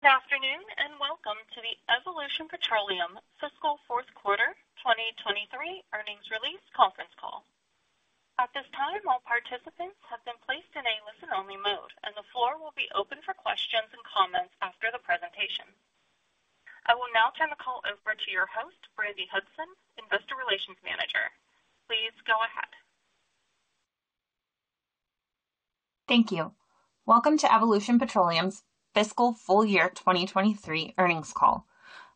Good afternoon, and welcome to the Evolution Petroleum fiscal fourth quarter 2023 earnings release conference call. At this time, all participants have been placed in a listen-only mode, and the floor will be open for questions and comments after the presentation. I will now turn the call over to your host, Brandi Hudson, Investor Relations Manager. Please go ahead. Thank you. Welcome to Evolution Petroleum's fiscal full year 2023 earnings call.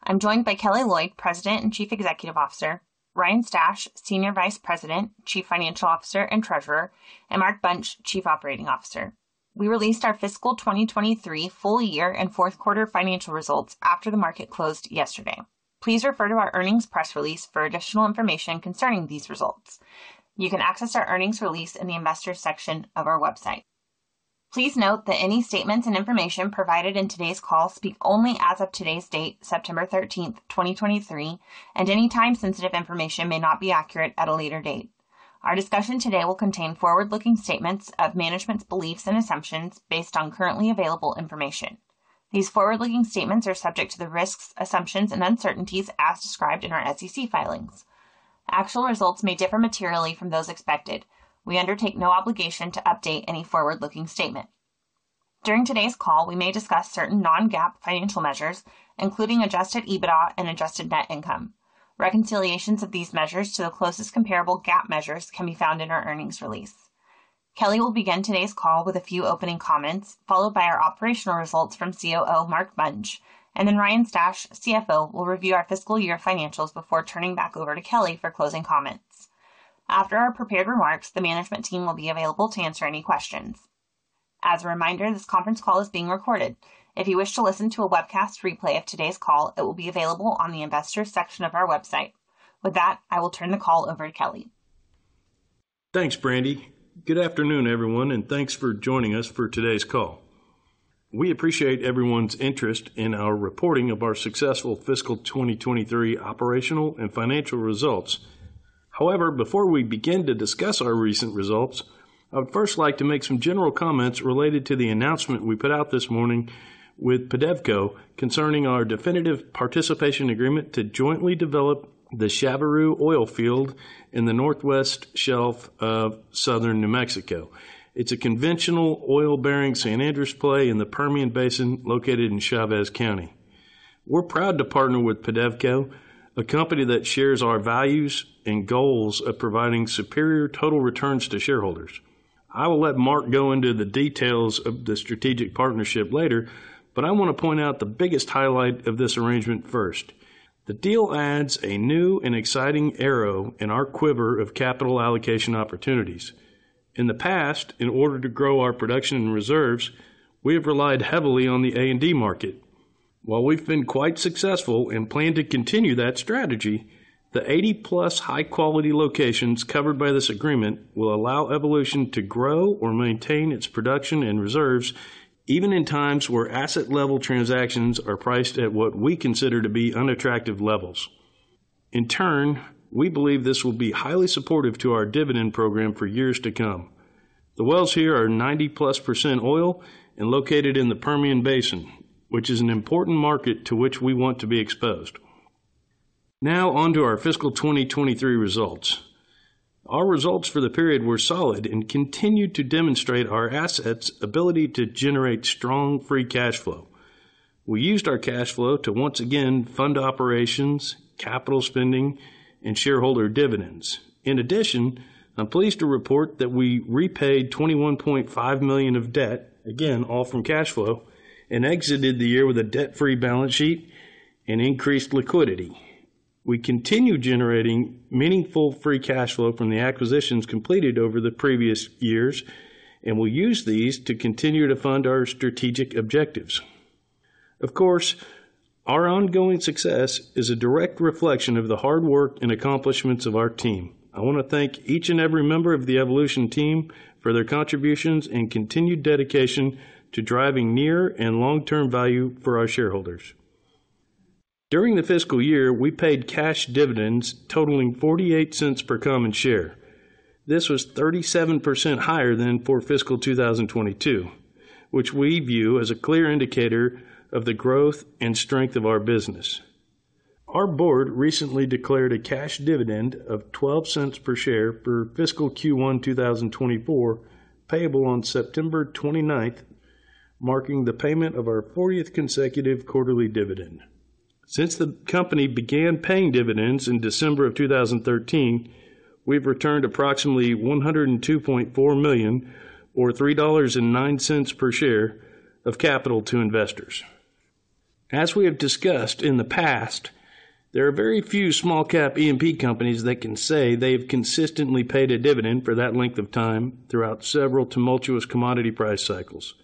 I'm joined by Kelly Loyd, President and Chief Executive Officer, Ryan Stash, Senior Vice President, Chief Financial Officer and Treasurer, and Mark Bunch, Chief Operating Officer. We released our fiscal 2023 full year and fourth quarter financial results after the market closed yesterday. Please refer to our earnings press release for additional information concerning these results. You can access our earnings release in the Investors section of our website. Please note that any statements and information provided in today's call speak only as of today's date, September 13, 2023, and any time-sensitive information may not be accurate at a later date. Our discussion today will contain forward-looking statements of management's beliefs and assumptions based on currently available information. These forward-looking statements are subject to the risks, assumptions, and uncertainties as described in our SEC filings. Actual results may differ materially from those expected. We undertake no obligation to update any forward-looking statement. During today's call, we may discuss certain non-GAAP financial measures, including Adjusted EBITDA and adjusted net income. Reconciliations of these measures to the closest comparable GAAP measures can be found in our earnings release. Kelly will begin today's call with a few opening comments, followed by our operational results from COO Mark Bunch, and then Ryan Stash, CFO, will review our fiscal year financials before turning back over to Kelly for closing comments. After our prepared remarks, the management team will be available to answer any questions. As a reminder, this conference call is being recorded. If you wish to listen to a webcast replay of today's call, it will be available on the Investors section of our website. With that, I will turn the call over to Kelly. Thanks, Brandi. Good afternoon, everyone, and thanks for joining us for today's call. We appreciate everyone's interest in our reporting of our successful fiscal 2023 operational and financial results. However, before we begin to discuss our recent results, I'd first like to make some general comments related to the announcement we put out this morning with PEDEVCO concerning our definitive participation agreement to jointly develop the Chaveroo Oil Field in the Northwest Shelf of southern New Mexico. It's a conventional oil-bearing San Andres play in the Permian Basin, located in Chaves County. We're proud to partner with PEDEVCO, a company that shares our values and goals of providing superior total returns to shareholders. I will let Mark go into the details of the strategic partnership later, but I want to point out the biggest highlight of this arrangement first. The deal adds a new and exciting arrow in our quiver of capital allocation opportunities. In the past, in order to grow our production and reserves, we have relied heavily on the A&D market. While we've been quite successful and plan to continue that strategy, the 80+ high quality locations covered by this agreement will allow Evolution to grow or maintain its production and reserves, even in times where asset level transactions are priced at what we consider to be unattractive levels. In turn, we believe this will be highly supportive to our dividend program for years to come. The wells here are 90%+ oil and located in the Permian Basin, which is an important market to which we want to be exposed. Now on to our fiscal 2023 results. Our results for the period were solid and continued to demonstrate our assets' ability to generate strong free cash flow. We used our cash flow to once again fund operations, capital spending, and shareholder dividends. In addition, I'm pleased to report that we repaid $21.5 million of debt, again, all from cash flow, and exited the year with a debt-free balance sheet and increased liquidity. We continue generating meaningful free cash flow from the acquisitions completed over the previous years, and we'll use these to continue to fund our strategic objectives. Of course, our ongoing success is a direct reflection of the hard work and accomplishments of our team. I want to thank each and every member of the Evolution team for their contributions and continued dedication to driving near and long-term value for our shareholders. During the fiscal year, we paid cash dividends totaling $0.48 per common share. This was 37% higher than for fiscal 2022, which we view as a clear indicator of the growth and strength of our business. Our board recently declared a cash dividend of $0.12 per share for fiscal Q1 2024, payable on September 29th, marking the payment of our 40th consecutive quarterly dividend. Since the company began paying dividends in December of 2013, we've returned approximately $102.4 million, or $3.09 per share of capital to investors. As we have discussed in the past, there are very few small cap E&P companies that can say they've consistently paid a dividend for that length of time throughout several tumultuous commodity price cycles.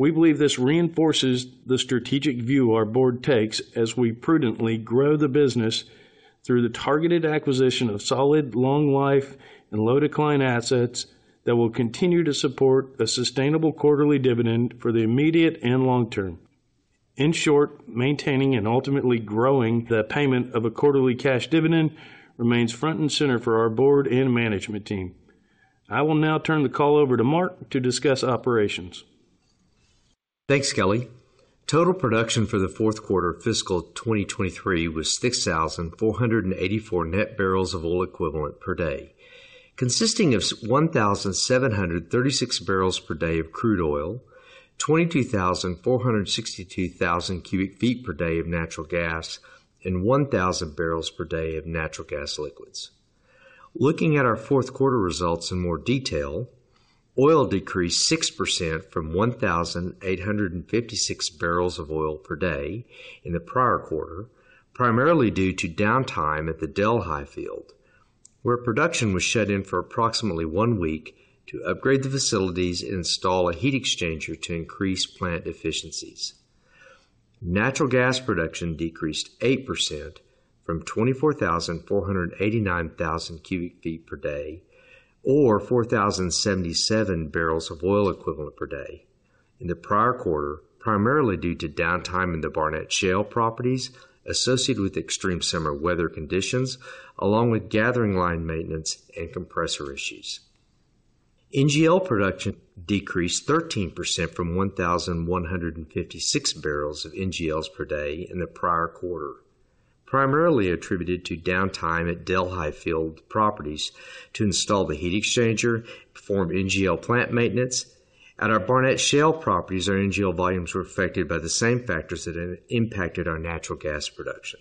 We believe this reinforces the strategic view our board takes as we prudently grow the business through the targeted acquisition of solid, long life and low-decline assets that will continue to support a sustainable quarterly dividend for the immediate and long term. In short, maintaining and ultimately growing the payment of a quarterly cash dividend remains front and center for our board and management team.... I will now turn the call over to Mark to discuss operations. Thanks, Kelly. Total production for the fourth quarter of fiscal 2023 was 6,484 net bbl of oil equivalent per day, consisting of 1,736 bbl per day of crude oil, 22,462 thousand cu ft per day of natural gas, and 1,000 bbl per day of natural gas liquids. Looking at our fourth quarter results in more detail, oil decreased 6% from 1,856 bbl of oil per day in the prior quarter, primarily due to downtime at the Delhi Field, where production was shut in for approximately one week to upgrade the facilities and install a heat exchanger to increase plant efficiencies. Natural gas production decreased 8% from 24,489 thousand cu ft per day, or 4,077 bbl of oil equivalent per day in the prior quarter, primarily due to downtime in the Barnett Shale properties associated with extreme summer weather conditions, along with gathering line maintenance and compressor issues. NGL production decreased 13% from 1,156 bbl of NGLs per day in the prior quarter, primarily attributed to downtime at Delhi Field properties to install the heat exchanger, perform NGL plant maintenance. At our Barnett Shale properties, our NGL volumes were affected by the same factors that had impacted our natural gas production.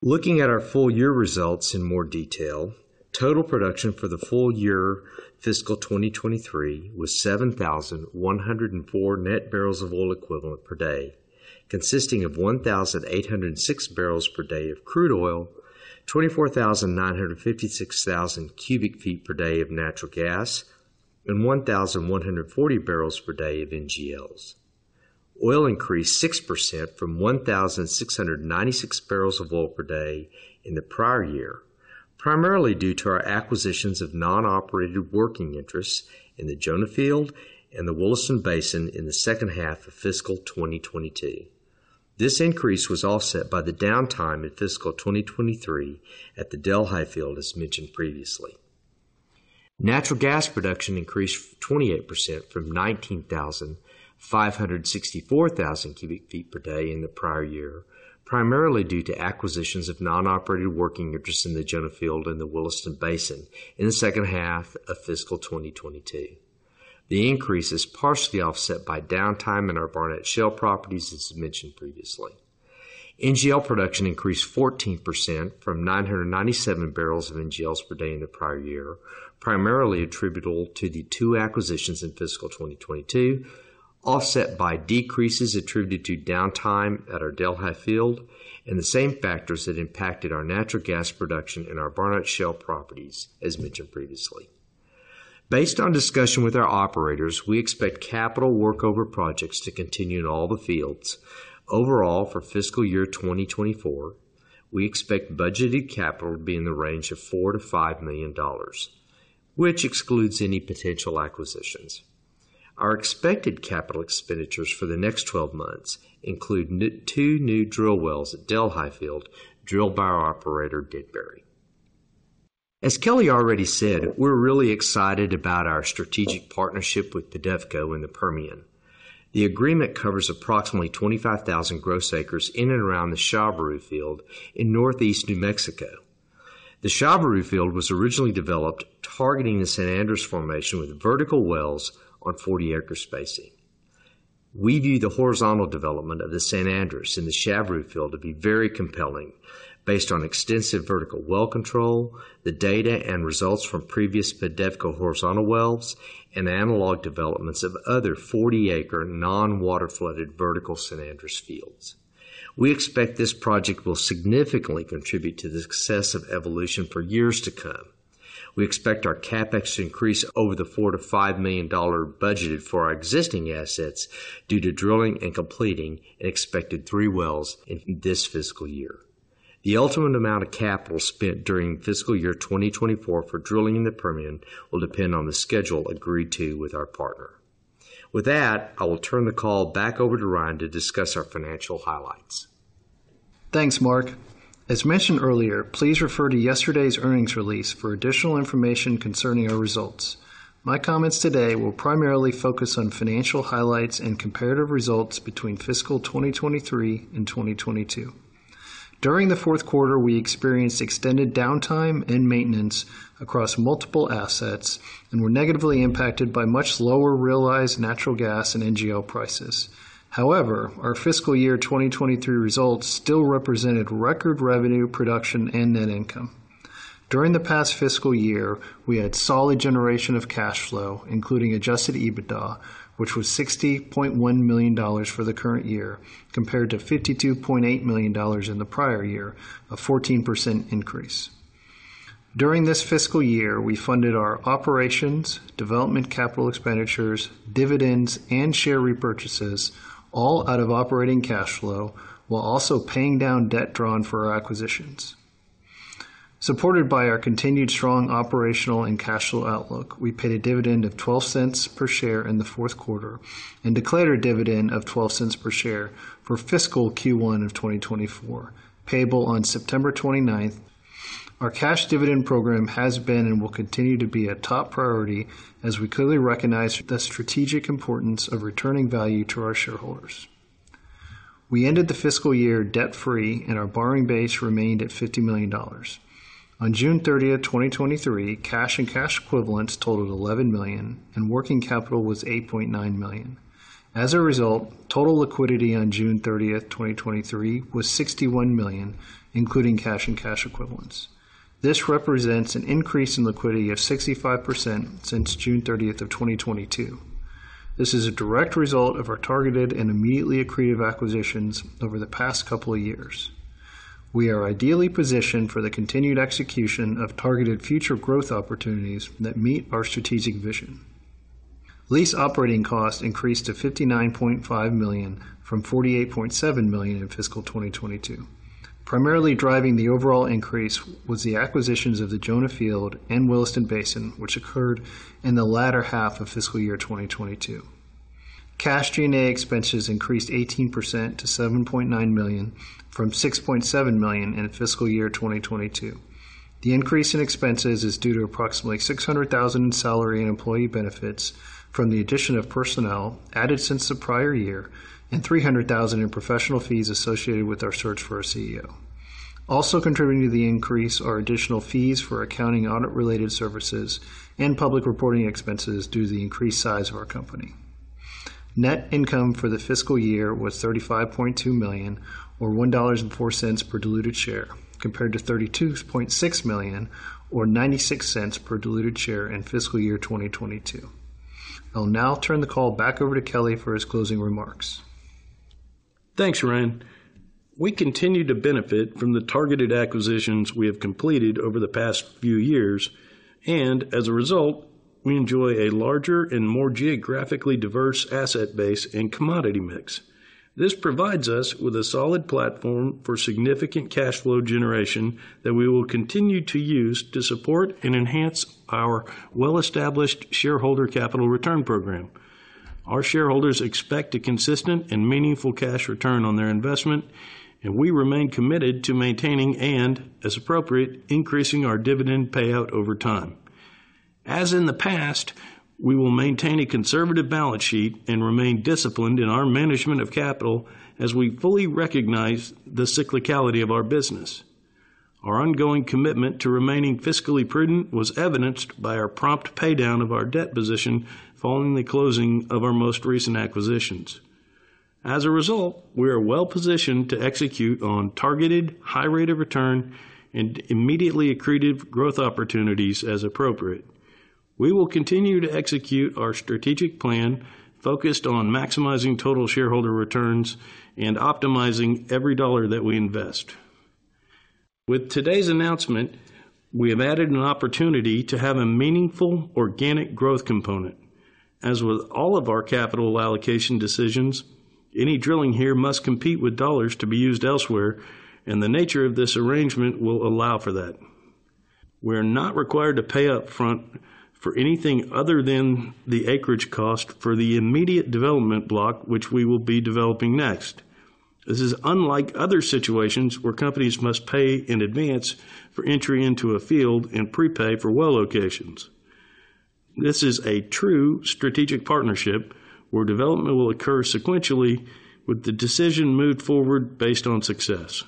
Looking at our full year results in more detail, total production for the full year, fiscal 2023, was 7,104 net bbl of oil equivalent per day, consisting of 1,806 bbl per day of crude oil, 24,956 thousand cu ft per day of natural gas, and 1,140 bbl per day of NGLs. Oil increased 6% from 1,696 bbl of oil per day in the prior year, primarily due to our acquisitions of non-operated working interests in the Jonah Field and the Williston Basin in the second half of fiscal 2022. This increase was offset by the downtime in fiscal 2023 at the Delhi Field, as mentioned previously. Natural gas production increased 28% from 19,564 thousand cu ft per day in the prior year, primarily due to acquisitions of non-operated working interests in the Jonah Field and the Williston Basin in the second half of fiscal 2022. The increase is partially offset by downtime in our Barnett Shale properties, as mentioned previously. NGL production increased 14% from 997 bbl of NGLs per day in the prior year, primarily attributable to the two acquisitions in fiscal 2022, offset by decreases attributed to downtime at our Delhi Field and the same factors that impacted our natural gas production in our Barnett Shale properties, as mentioned previously. Based on discussion with our operators, we expect capital workover projects to continue in all the fields. Overall, for fiscal year 2024, we expect budgeted capital to be in the range of $4 million-$5 million, which excludes any potential acquisitions. Our expected capital expenditures for the next 12 months include two new drill wells at Delhi Field, drilled by our operator, Denbury. As Kelly already said, we're really excited about our strategic partnership with PEDEVCO in the Permian. The agreement covers approximately 25,000 gross acres in and around the Chaveroo Field in Northeast New Mexico. The Chaveroo Field was originally developed targeting the San Andres formation with vertical wells on 40-acre spacing. We view the horizontal development of the San Andres in the Chaveroo Field to be very compelling based on extensive vertical well control, the data and results from previous PEDEVCO horizontal wells, and analog developments of other 40-acre, non-water flooded vertical San Andres fields. We expect this project will significantly contribute to the success of Evolution for years to come. We expect our CapEx to increase over the $4 million-$5 million budgeted for our existing assets due to drilling and completing an expected three wells in this fiscal year. The ultimate amount of capital spent during fiscal year 2024 for drilling in the Permian will depend on the schedule agreed to with our partner. With that, I will turn the call back over to Ryan to discuss our financial highlights. Thanks, Mark. As mentioned earlier, please refer to yesterday's earnings release for additional information concerning our results. My comments today will primarily focus on financial highlights and comparative results between fiscal 2023 and 2022. During the fourth quarter, we experienced extended downtime and maintenance across multiple assets and were negatively impacted by much lower realized natural gas and NGL prices. However, our fiscal year 2023 results still represented record revenue, production, and net income. During the past fiscal year, we had solid generation of cash flow, including Adjusted EBITDA, which was $60.1 million for the current year, compared to $52.8 million in the prior year, a 14% increase. During this fiscal year, we funded our operations, development capital expenditures, dividends, and share repurchases, all out of operating cash flow while also paying down debt drawn for our acquisitions. Supported by our continued strong operational and cash flow outlook, we paid a dividend of $0.12 per share in the fourth quarter and declared a dividend of $0.12 per share for fiscal Q1 of 2024, payable on September 29th.... Our cash dividend program has been and will continue to be a top priority as we clearly recognize the strategic importance of returning value to our shareholders. We ended the fiscal year debt-free, and our borrowing base remained at $50 million. On June 30th, 2023, cash and cash equivalents totaled $11 million, and working capital was $8.9 million. As a result, total liquidity on June 30th, 2023, was $61 million, including cash and cash equivalents. This represents an increase in liquidity of 65% since June 30th of 2022. This is a direct result of our targeted and immediately accretive acquisitions over the past couple of years. We are ideally positioned for the continued execution of targeted future growth opportunities that meet our strategic vision. Lease operating costs increased to $59.5 million from $48.7 million in fiscal 2022. Primarily driving the overall increase was the acquisitions of the Jonah Field and Williston Basin, which occurred in the latter half of fiscal year 2022. Cash G&A expenses increased 18% to $7.9 million from $6.7 million in fiscal year 2022. The increase in expenses is due to approximately $600,000 in salary and employee benefits from the addition of personnel added since the prior year, and $300,000 in professional fees associated with our search for our CEO. Also contributing to the increase are additional fees for accounting, audit-related services, and public reporting expenses due to the increased size of our company. Net income for the fiscal year was $35.2 million, or $1.04 per diluted share, compared to $32.6 million, or $0.96 per diluted share in fiscal year 2022. I'll now turn the call back over to Kelly for his closing remarks. Thanks, Ryan. We continue to benefit from the targeted acquisitions we have completed over the past few years, and as a result, we enjoy a larger and more geographically diverse asset base and commodity mix. This provides us with a solid platform for significant cash flow generation that we will continue to use to support and enhance our well-established shareholder capital return program. Our shareholders expect a consistent and meaningful cash return on their investment, and we remain committed to maintaining and, as appropriate, increasing our dividend payout over time. As in the past, we will maintain a conservative balance sheet and remain disciplined in our management of capital as we fully recognize the cyclicality of our business. Our ongoing commitment to remaining fiscally prudent was evidenced by our prompt paydown of our debt position following the closing of our most recent acquisitions. As a result, we are well positioned to execute on targeted, high rate of return, and immediately accretive growth opportunities as appropriate. We will continue to execute our strategic plan, focused on maximizing total shareholder returns and optimizing every dollar that we invest. With today's announcement, we have added an opportunity to have a meaningful organic growth component. As with all of our capital allocation decisions, any drilling here must compete with dollars to be used elsewhere, and the nature of this arrangement will allow for that. We're not required to pay up front for anything other than the acreage cost for the immediate development block, which we will be developing next. This is unlike other situations where companies must pay in advance for entry into a field and prepay for well locations. This is a true strategic partnership where development will occur sequentially, with the decision moved forward based on success.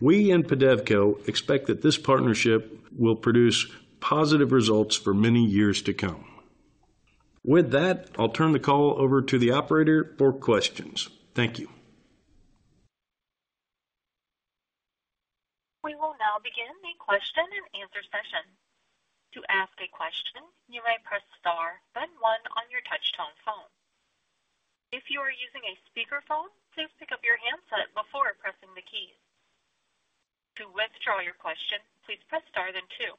We and PEDEVCO expect that this partnership will produce positive results for many years to come. With that, I'll turn the call over to the operator for questions. Thank you. We will now begin the question and answer session. To ask a question, you may press star, then one on your touch-tone phone. If you are using a speakerphone, please pick up your handset before pressing the keys. To withdraw your question, please press star, then two.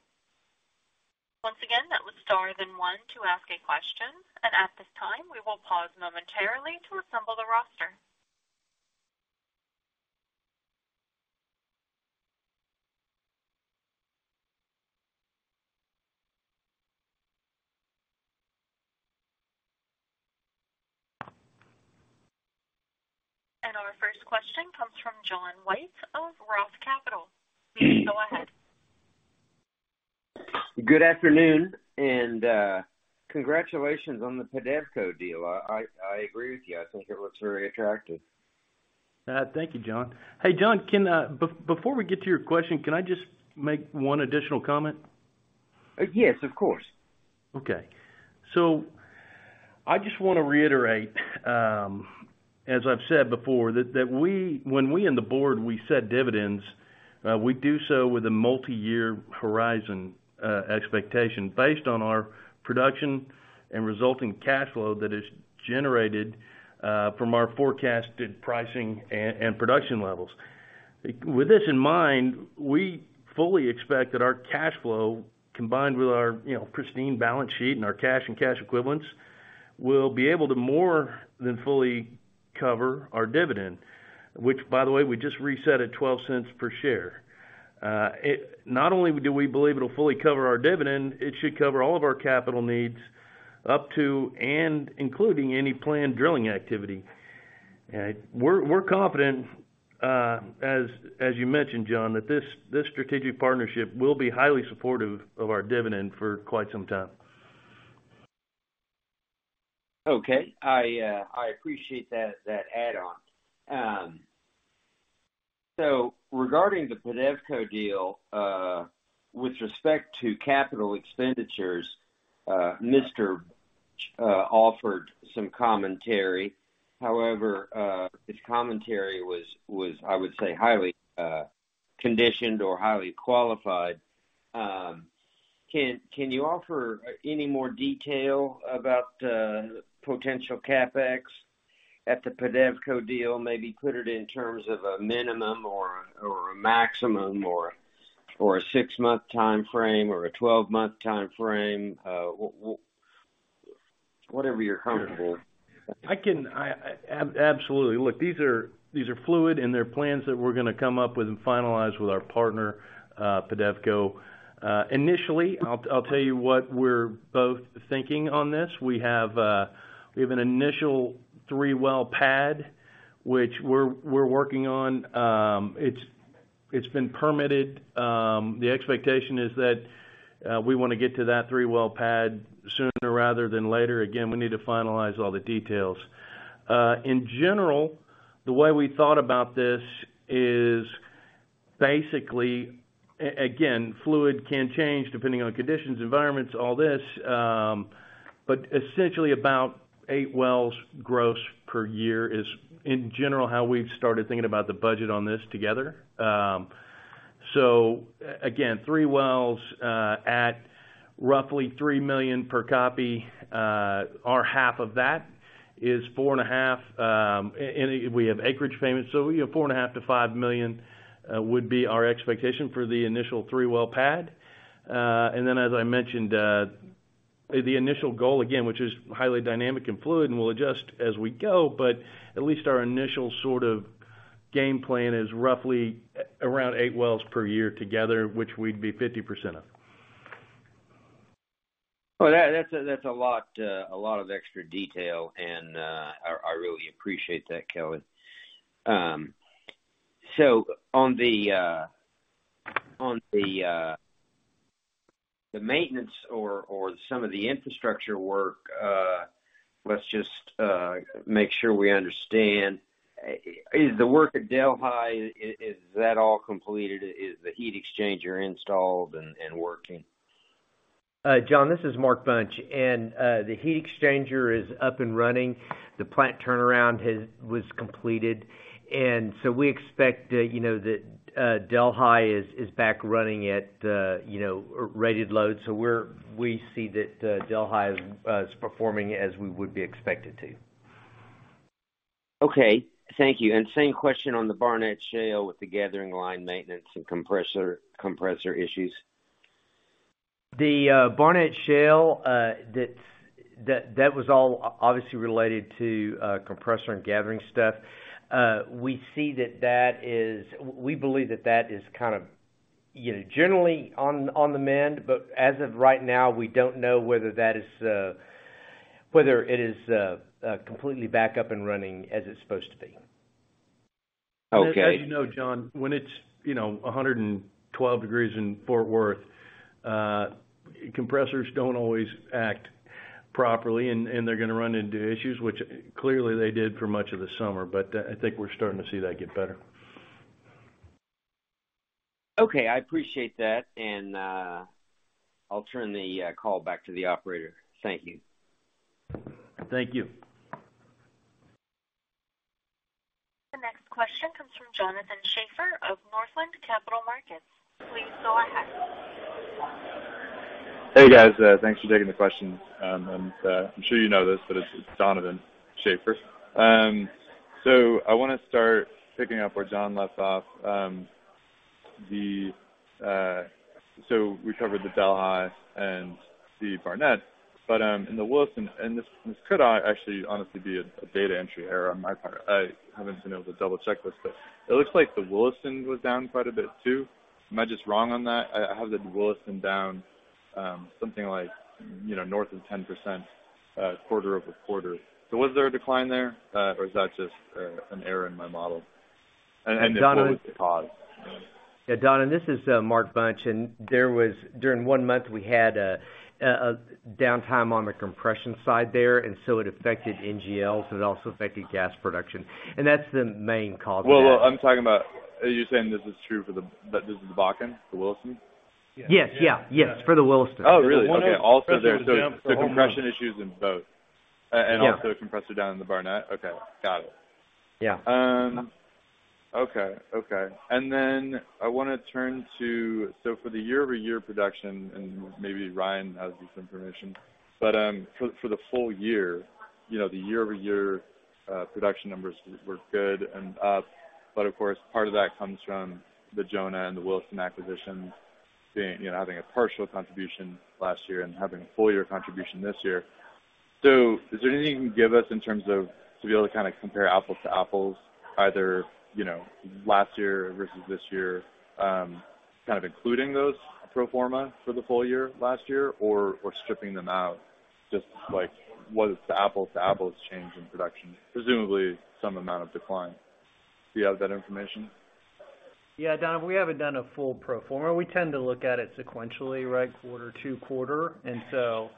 Once again, that was star, then one to ask a question. At this time, we will pause momentarily to assemble the roster. Our first question comes from John White of Roth Capital. You may go ahead. Good afternoon, and, congratulations on the PEDEVCO deal. I agree with you. I think it looks very attractive. Thank you, John. Hey, John, before we get to your question, can I just make one additional comment? Yes, of course. Okay. So I just want to reiterate, as I've said before, that when we and the board, we set dividends, we do so with a multi-year horizon expectation based on our production and resulting cash flow that is generated from our forecasted pricing and production levels. With this in mind, we fully expect that our cash flow, combined with our, you know, pristine balance sheet and our cash and cash equivalents, will be able to more than fully cover our dividend, which, by the way, we just reset at $0.12 per share. It not only do we believe it'll fully cover our dividend, it should cover all of our capital needs, up to and including any planned drilling activity.... And we're confident, as you mentioned, John, that this strategic partnership will be highly supportive of our dividend for quite some time. Okay. I appreciate that add-on. So regarding the PEDEVCO deal, with respect to capital expenditures, Mr. Bunch offered some commentary. However, his commentary was, I would say, highly conditioned or highly qualified. Can you offer any more detail about potential CapEx at the PEDEVCO deal? Maybe put it in terms of a minimum or a maximum, or a six-month time frame, or a 12-month time frame, whatever you're comfortable. I can... I absolutely. Look, these are, these are fluid, and they're plans that we're going to come up with and finalize with our partner, PEDEVCO. Initially, I'll tell you what we're both thinking on this. We have, we have an initial three-well pad, which we're working on. It's been permitted. The expectation is that we want to get to that three-well pad sooner rather than later. Again, we need to finalize all the details. In general, the way we thought about this is basically, again, fluid can change depending on conditions, environments, all this, but essentially, about eight wells gross per year is, in general, how we've started thinking about the budget on this together. So again, three wells at roughly $3 million per copy, our half of that is $4.5 million. We have acreage payments, so, you know, $4.5 million-$5 million would be our expectation for the initial three-well pad. Then, as I mentioned, the initial goal, again, which is highly dynamic and fluid, and we'll adjust as we go, but at least our initial sort of game plan is roughly around eight wells per year together, which we'd be 50% of. Well, that's a lot of extra detail, and I really appreciate that, Kelly. So on the maintenance or some of the infrastructure work, let's just make sure we understand. The work at Delhi, is that all completed? Is the heat exchanger installed and working? John, this is Mark Bunch, and the heat exchanger is up and running. The plant turnaround was completed, and so we expect, you know, that Delhi is back running at, you know, rated load. So we see that Delhi is performing as we would be expected to. Okay, thank you. Same question on the Barnett Shale with the gathering line maintenance and compressor, compressor issues. The Barnett Shale, that, that was all obviously related to compressor and gathering stuff. We see that that is... We believe that that is kind of, you know, generally on the mend, but as of right now, we don't know whether that is, whether it is completely back up and running as it's supposed to be. Okay. And as you know, John, when it's, you know, 112 degrees Fahrenheit in Fort Worth, compressors don't always act properly, and they're going to run into issues, which clearly they did for much of the summer, but I think we're starting to see that get better. Okay, I appreciate that, and I'll turn the call back to the operator. Thank you. Thank you. The next question comes from Donovan Schafer of Northland Capital Markets. Please go ahead. Hey, guys, thanks for taking the question. I'm sure you know this, but it's Donovan Schafer. So I want to start picking up where John left off. So we covered the Delhi and the Barnett, but in the Williston, and this, this could actually, honestly, be a data entry error on my part. I haven't been able to double-check this, but it looks like the Williston was down quite a bit, too. Am I just wrong on that? I have the Williston down something like, you know, north of 10%, quarter-over-quarter. So was there a decline there, or is that just an error in my model? And then- Donovan- -pause. Yeah, Don, and this is Mark Bunch. And there was, during one month, we had a downtime on the compression side there, and so it affected NGLs, it also affected gas production, and that's the main cause of that. Well, well, I'm talking about... Are you saying this is true for the- that this is the Bakken, the Williston? Yes. Yeah. Yes, for the Williston. Oh, really? Okay. Also, there's compression issues in both. Yeah. Also a compressor down in the Barnett? Okay, got it. Yeah. Okay. Okay. And then I want to turn to... So for the year-over-year production, and maybe Ryan has this information, but, for the full year, you know, the year-over-year production numbers were good and up. But of course, part of that comes from the Jonah and the Williston acquisitions being, you know, having a partial contribution last year and having a full year contribution this year. So is there anything you can give us in terms of, to be able to kind of compare apples to apples, either, you know, last year versus this year, kind of including those pro forma for the full year, last year, or, or stripping them out, just like, what is the apples-to-apples change in production? Presumably, some amount of decline. Do you have that information? Yeah, Don, we haven't done a full pro forma. We tend to look at it sequentially, right, quarter to quarter. And so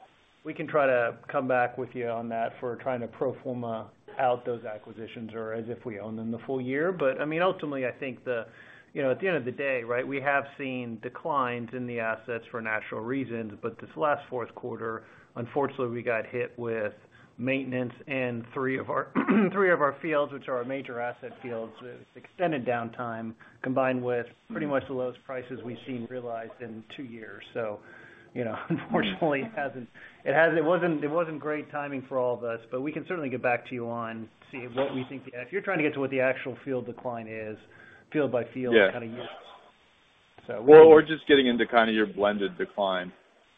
we can try to come back with you on that for trying to pro forma out those acquisitions or as if we own them the full year. But, I mean, ultimately, I think the, you know, at the end of the day, right, we have seen declines in the assets for natural reasons. But this last fourth quarter, unfortunately, we got hit with maintenance in three of our fields, which are our major asset fields. It's extended downtime, combined with pretty much the lowest prices we've seen realized in two years. So, you know, unfortunately, it wasn't great timing for all of us, but we can certainly get back to you on, see what we think. If you're trying to get to what the actual field decline is, field by field- Yeah. Kind of use. So- Well, we're just getting into kind of your blended decline,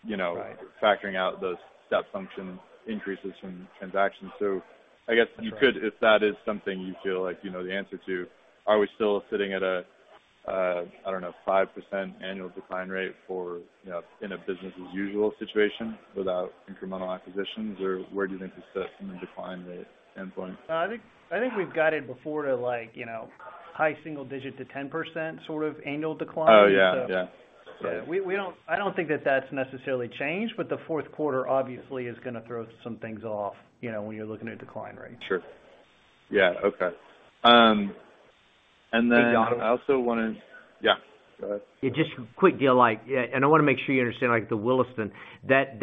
you know- Right. Factoring out the step function increases from transactions. So I guess you could, if that is something you feel like you know the answer to, are we still sitting at a, I don't know, 5% annual decline rate for, you know, in a business as usual situation without incremental acquisitions? Or where do you think the system decline rate standpoint? I think, I think we've guided before to like, you know, high single-digit to 10% sort of annual decline. Oh, yeah. Yeah. So we don't—I don't think that that's necessarily changed, but the fourth quarter obviously is going to throw some things off, you know, when you're looking at decline rate. Sure. Yeah, okay. And then- Hey, Don. I also want to... Yeah, go ahead. Just quick deal, like, yeah, and I want to make sure you understand, like, the Williston, that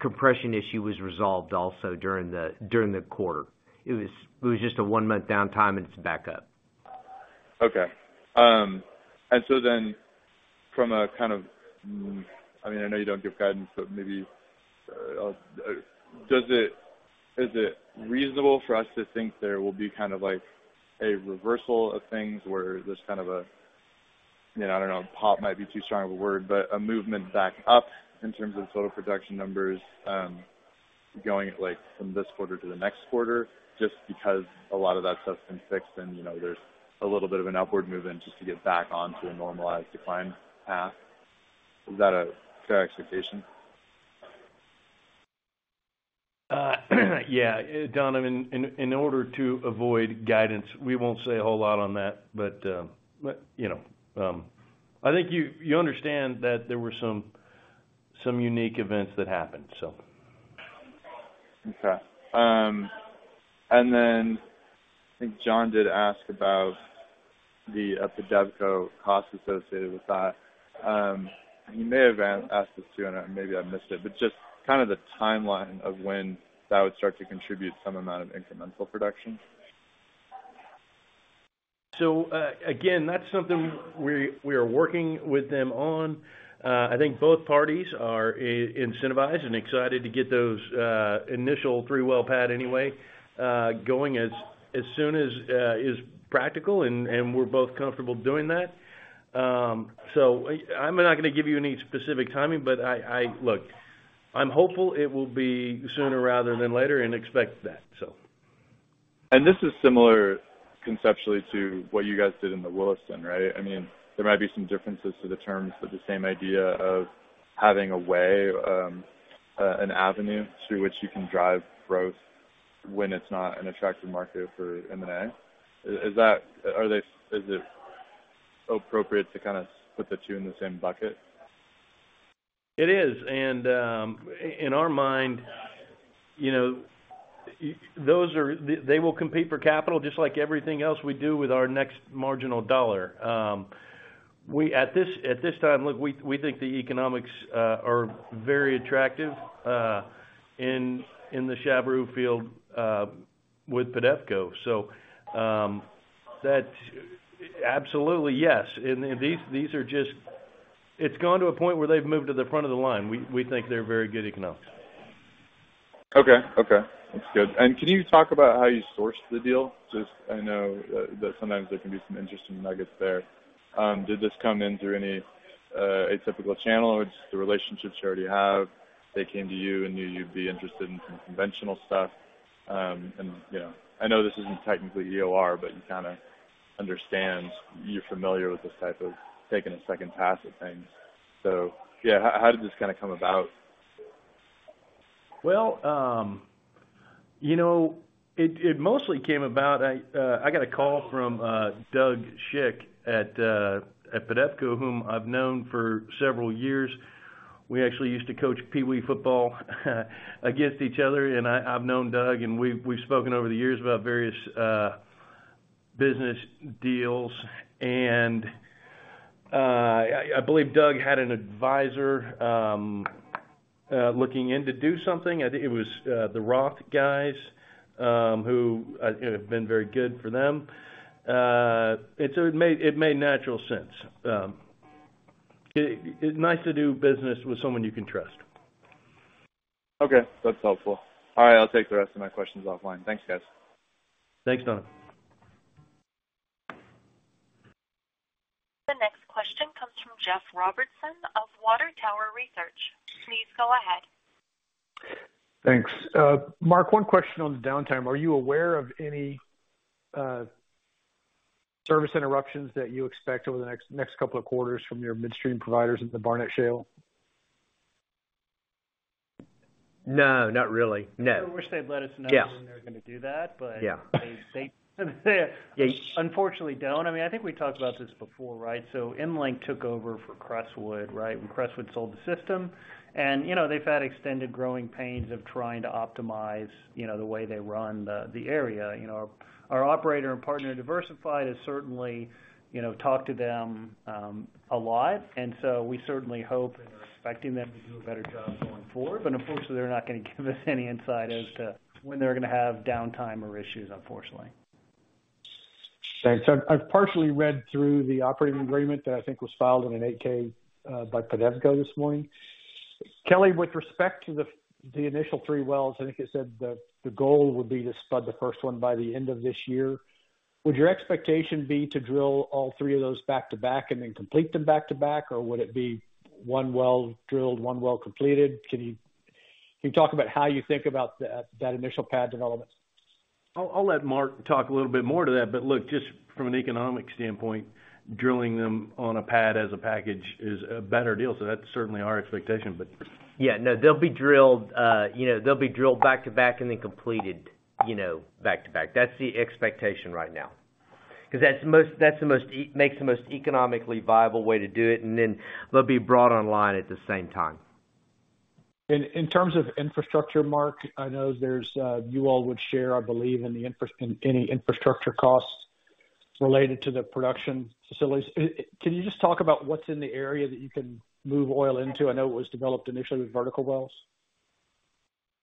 compression issue was resolved also during the quarter. It was just a one-month downtime, and it's back up. Okay. So then from a kind of, I mean, I know you don't give guidance, but maybe, is it reasonable for us to think there will be kind of like a reversal of things, where there's kind of a, you know, I don't know, pop might be too strong of a word, but a movement back up in terms of total production numbers, going, like, from this quarter to the next quarter, just because a lot of that stuff's been fixed and, you know, there's a little bit of an upward movement just to get back onto a normalized decline path? Is that a fair expectation? Yeah, Don, in order to avoid guidance, we won't say a whole lot on that. But, you know, I think you understand that there were some unique events that happened, so. Okay. And then I think John did ask about the PEDEVCO costs associated with that. He may have asked this too, and maybe I missed it, but just kind of the timeline of when that would start to contribute some amount of incremental production. So, again, that's something we are working with them on. I think both parties are incentivized and excited to get those initial three-well pad anyway going as soon as is practical, and we're both comfortable doing that. So I'm not going to give you any specific timing, but I... Look, I'm hopeful it will be sooner rather than later and expect that, so. This is similar conceptually to what you guys did in the Williston, right? I mean, there might be some differences to the terms, but the same idea of having a way, an avenue through which you can drive growth when it's not an attractive market for M&A. Is it appropriate to kind of put the two in the same bucket? It is, and in our mind, you know, those are—they will compete for capital just like everything else we do with our next marginal dollar. At this time, look, we think the economics are very attractive in the Chaveroo field with PEDEVCO. So, that's absolutely yes. And these are just—it's gotten to a point where they've moved to the front of the line. We think they're very good economics. Okay. Okay, that's good. Can you talk about how you sourced the deal? Just, I know that sometimes there can be some interesting nuggets there. Did this come in through any atypical channel, or just the relationships you already have, they came to you, and knew you'd be interested in some conventional stuff? You know, I know this isn't technically EOR, but you kind of understand, you're familiar with this type of taking a second pass at things. So, yeah, how did this kind of come about? Well, you know, it mostly came about. I got a call from Doug Schick at PEDEVCO, whom I've known for several years. We actually used to coach Peewee football against each other, and I've known Doug, and we've spoken over the years about various business deals. And I believe Doug had an advisor looking into do something. I think it was the Rock guys who it had been very good for them. And so it made natural sense. It's nice to do business with someone you can trust. Okay, that's helpful. All right, I'll take the rest of my questions offline. Thanks, guys. Thanks, Don. The next question comes from Jeff Robertson of Water Tower Research. Please go ahead. Thanks. Mark, one question on the downtime: Are you aware of any service interruptions that you expect over the next couple of quarters from your midstream providers in the Barnett Shale?... No, not really. No. I wish they'd let us know- Yeah. When they're gonna do that, but- Yeah. They unfortunately don't. I mean, I think we talked about this before, right? So EnLink took over for Crestwood, right? When Crestwood sold the system. And, you know, they've had extended growing pains of trying to optimize, you know, the way they run the area. You know, our operator and partner Diversified has certainly, you know, talked to them a lot, and so we certainly hope and are expecting them to do a better job going forward. But unfortunately, they're not gonna give us any insight as to when they're gonna have downtime or issues, unfortunately. Thanks. I've partially read through the operating agreement that I think was filed in an 8-K by PEDEVCO this morning. Kelly, with respect to the initial three wells, I think you said the goal would be to spud the first one by the end of this year. Would your expectation be to drill all three of those back-to-back and then complete them back-to-back, or would it be one well drilled, one well completed? Can you talk about how you think about that initial pad development? I'll let Mark talk a little bit more to that. But look, just from an economic standpoint, drilling them on a pad as a package is a better deal, so that's certainly our expectation, but- Yeah. No, they'll be drilled, you know, they'll be drilled back-to-back and then completed, you know, back-to-back. That's the expectation right now. Because that's the most, that's the most makes the most economically viable way to do it, and then they'll be brought online at the same time. In terms of infrastructure, Mark, I know there's you all would share, I believe, in any infrastructure costs related to the production facilities. Can you just talk about what's in the area that you can move oil into? I know it was developed initially with vertical wells.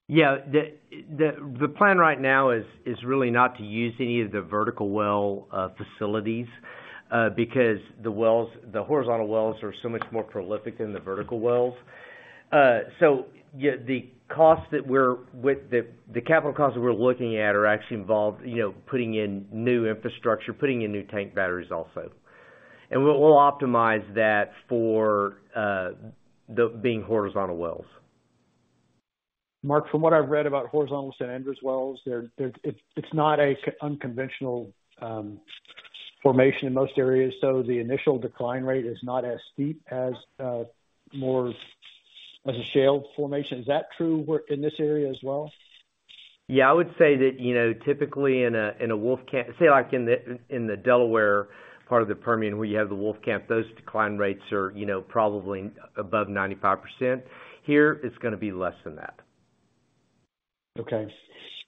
Yeah. The plan right now is really not to use any of the vertical well facilities because the wells, the horizontal wells are so much more prolific than the vertical wells. So yeah, the capital costs that we're looking at are actually involved, you know, putting in new infrastructure, putting in new tank batteries also. And we'll optimize that for the being horizontal wells. Mark, from what I've read about horizontal San Andres wells, they're not an unconventional formation in most areas, so the initial decline rate is not as steep as a shale formation. Is that true in this area as well? Yeah, I would say that, you know, typically in a Wolfcamp, say, like in the Delaware part of the Permian, where you have the Wolfcamp, those decline rates are, you know, probably above 95%. Here, it's gonna be less than that. Okay.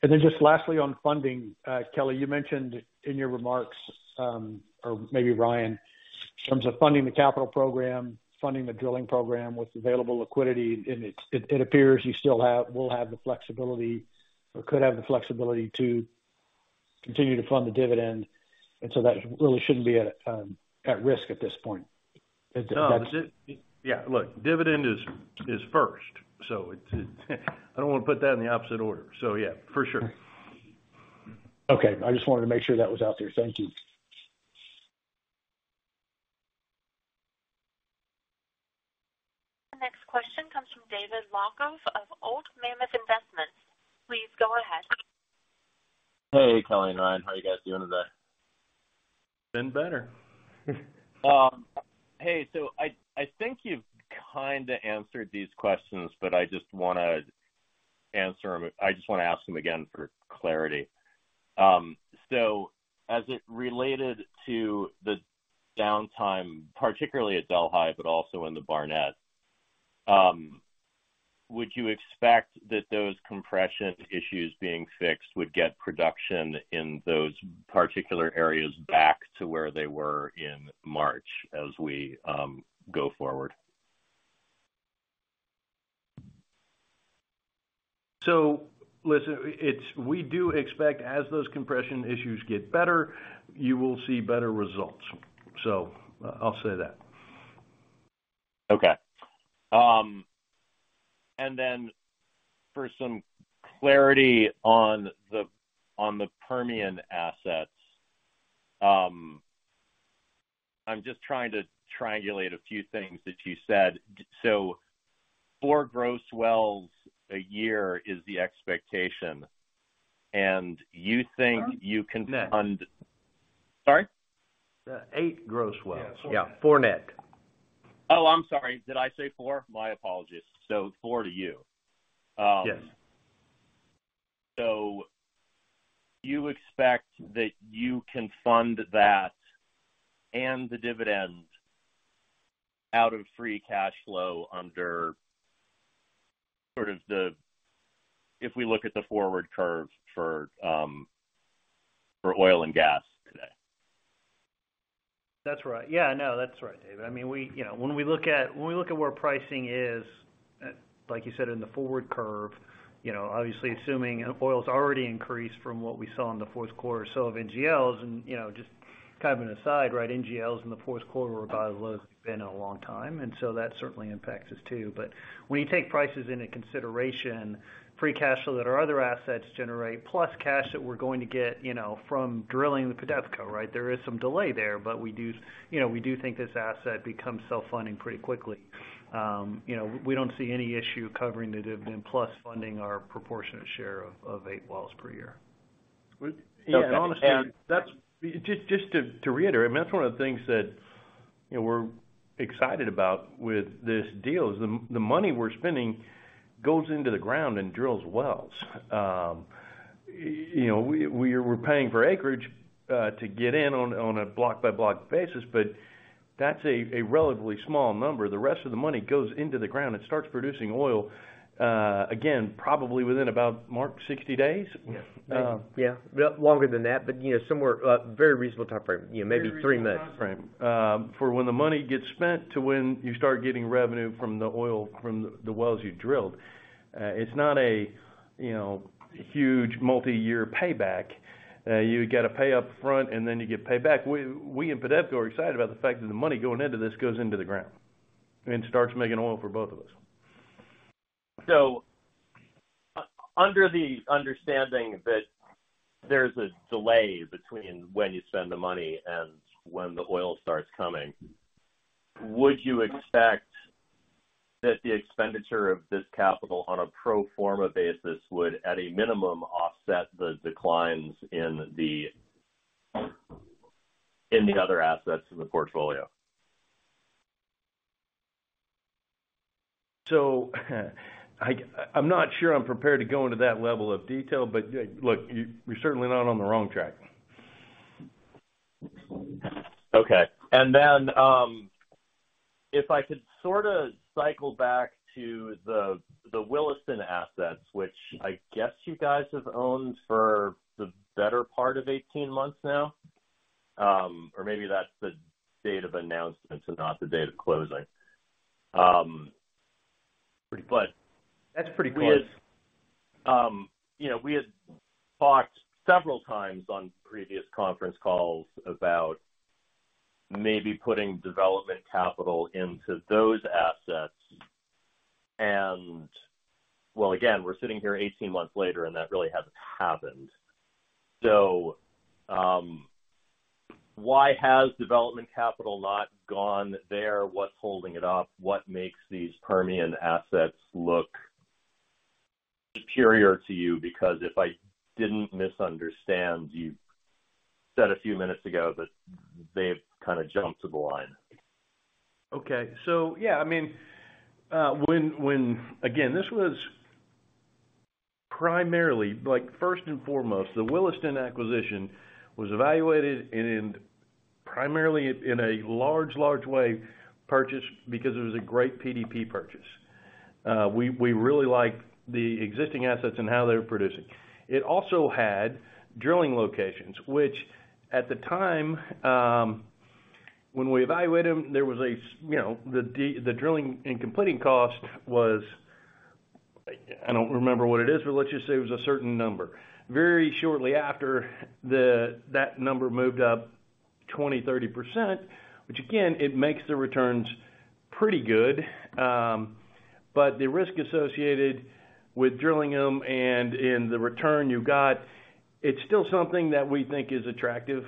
And then just lastly, on funding. Kelly, you mentioned in your remarks, or maybe Ryan, in terms of funding the capital program, funding the drilling program with available liquidity, and it appears you still have—will have the flexibility or could have the flexibility to continue to fund the dividend, and so that really shouldn't be at risk at this point. Is it- No. Yeah, look, dividend is first. So I don't want to put that in the opposite order. So yeah, for sure. Okay. I just wanted to make sure that was out there. Thank you. The next question comes from David Locke of Old Mammoth Investments. Please go ahead. Hey, Kelly and Ryan. How are you guys doing today? Been better. Hey, so I think you've kinda answered these questions, but I just wanna answer them... I just wanna ask them again for clarity. So as it related to the downtime, particularly at Delhi, but also in the Barnett, would you expect that those compression issues being fixed would get production in those particular areas back to where they were in March as we go forward? So listen, we do expect, as those compression issues get better, you will see better results. So I'll say that. Okay. And then for some clarity on the, on the Permian assets, I'm just trying to triangulate a few things that you said. So four gross wells a year is the expectation, and you think you can fund- Sorry? Sorry? Eight gross wells. Yeah, four net. Oh, I'm sorry. Did I say four? My apologies. So four to you. Yes. So you expect that you can fund that and the dividend out of free cash flow under sort of the, if we look at the forward curve for, for oil and gas today? That's right. Yeah, no, that's right, David. I mean, we, you know, when we look at, when we look at where pricing is, like you said, in the forward curve, you know, obviously assuming oil's already increased from what we saw in the fourth quarter, so of NGLs and, you know, just kind of an aside, right? NGLs in the fourth quarter were about the lowest they've been in a long time, and so that certainly impacts us, too. But when you take prices into consideration, free cash flow that our other assets generate, plus cash that we're going to get, you know, from drilling the PEDEVCO, right? There is some delay there, but we do, you know, we do think this asset becomes self-funding pretty quickly. You know, we don't see any issue covering the dividend plus funding our proportionate share of, of eight wells per year. Well, yeah, and honestly, that's just, just to reiterate, I mean, that's one of the things that, you know, we're excited about with this deal, is the money we're spending goes into the ground and drills wells. You know, we're paying for acreage to get in on a block-by-block basis, but that's a relatively small number. The rest of the money goes into the ground and starts producing oil again, probably within about, Mark, 60 days? Yes. Yeah, well, longer than that, but, you know, somewhere, very reasonable timeframe, you know, maybe three months. Very reasonable timeframe, for when the money gets spent to when you start getting revenue from the oil, from the wells you drilled. It's not a, you know, huge multiyear payback. You've got to pay up front, and then you get paid back. We in PEDEVCO are excited about the fact that the money going into this goes into the ground and starts making oil for both of us. Under the understanding that there's a delay between when you spend the money and when the oil starts coming, would you expect that the expenditure of this capital on a pro forma basis would, at a minimum, offset the declines in the, in the other assets in the portfolio? So, I—I'm not sure I'm prepared to go into that level of detail, but look, you—we're certainly not on the wrong track. Okay. And then, if I could sort of cycle back to the Williston assets, which I guess you guys have owned for the better part of 18 months now, or maybe that's the date of announcement and not the date of closing. But- That's pretty close. You know, we had talked several times on previous conference calls about maybe putting development capital into those assets, and... Well, again, we're sitting here 18 months later, and that really hasn't happened. So, why has development capital not gone there? What's holding it up? What makes these Permian assets look superior to you? Because if I didn't misunderstand, you said a few minutes ago that they've kind of jumped to the line. Okay. So yeah, I mean, when again, this was primarily, like, first and foremost, the Williston acquisition was evaluated and primarily in a large, large way, purchased because it was a great PDP purchase. We really liked the existing assets and how they were producing. It also had drilling locations, which at the time, when we evaluated them, there was, you know, the drilling and completing cost was, I don't remember what it is, but let's just say it was a certain number. Very shortly after, that number moved up 20%-30%, which again, it makes the returns pretty good. But the risk associated with drilling them and the return you got, it's still something that we think is attractive.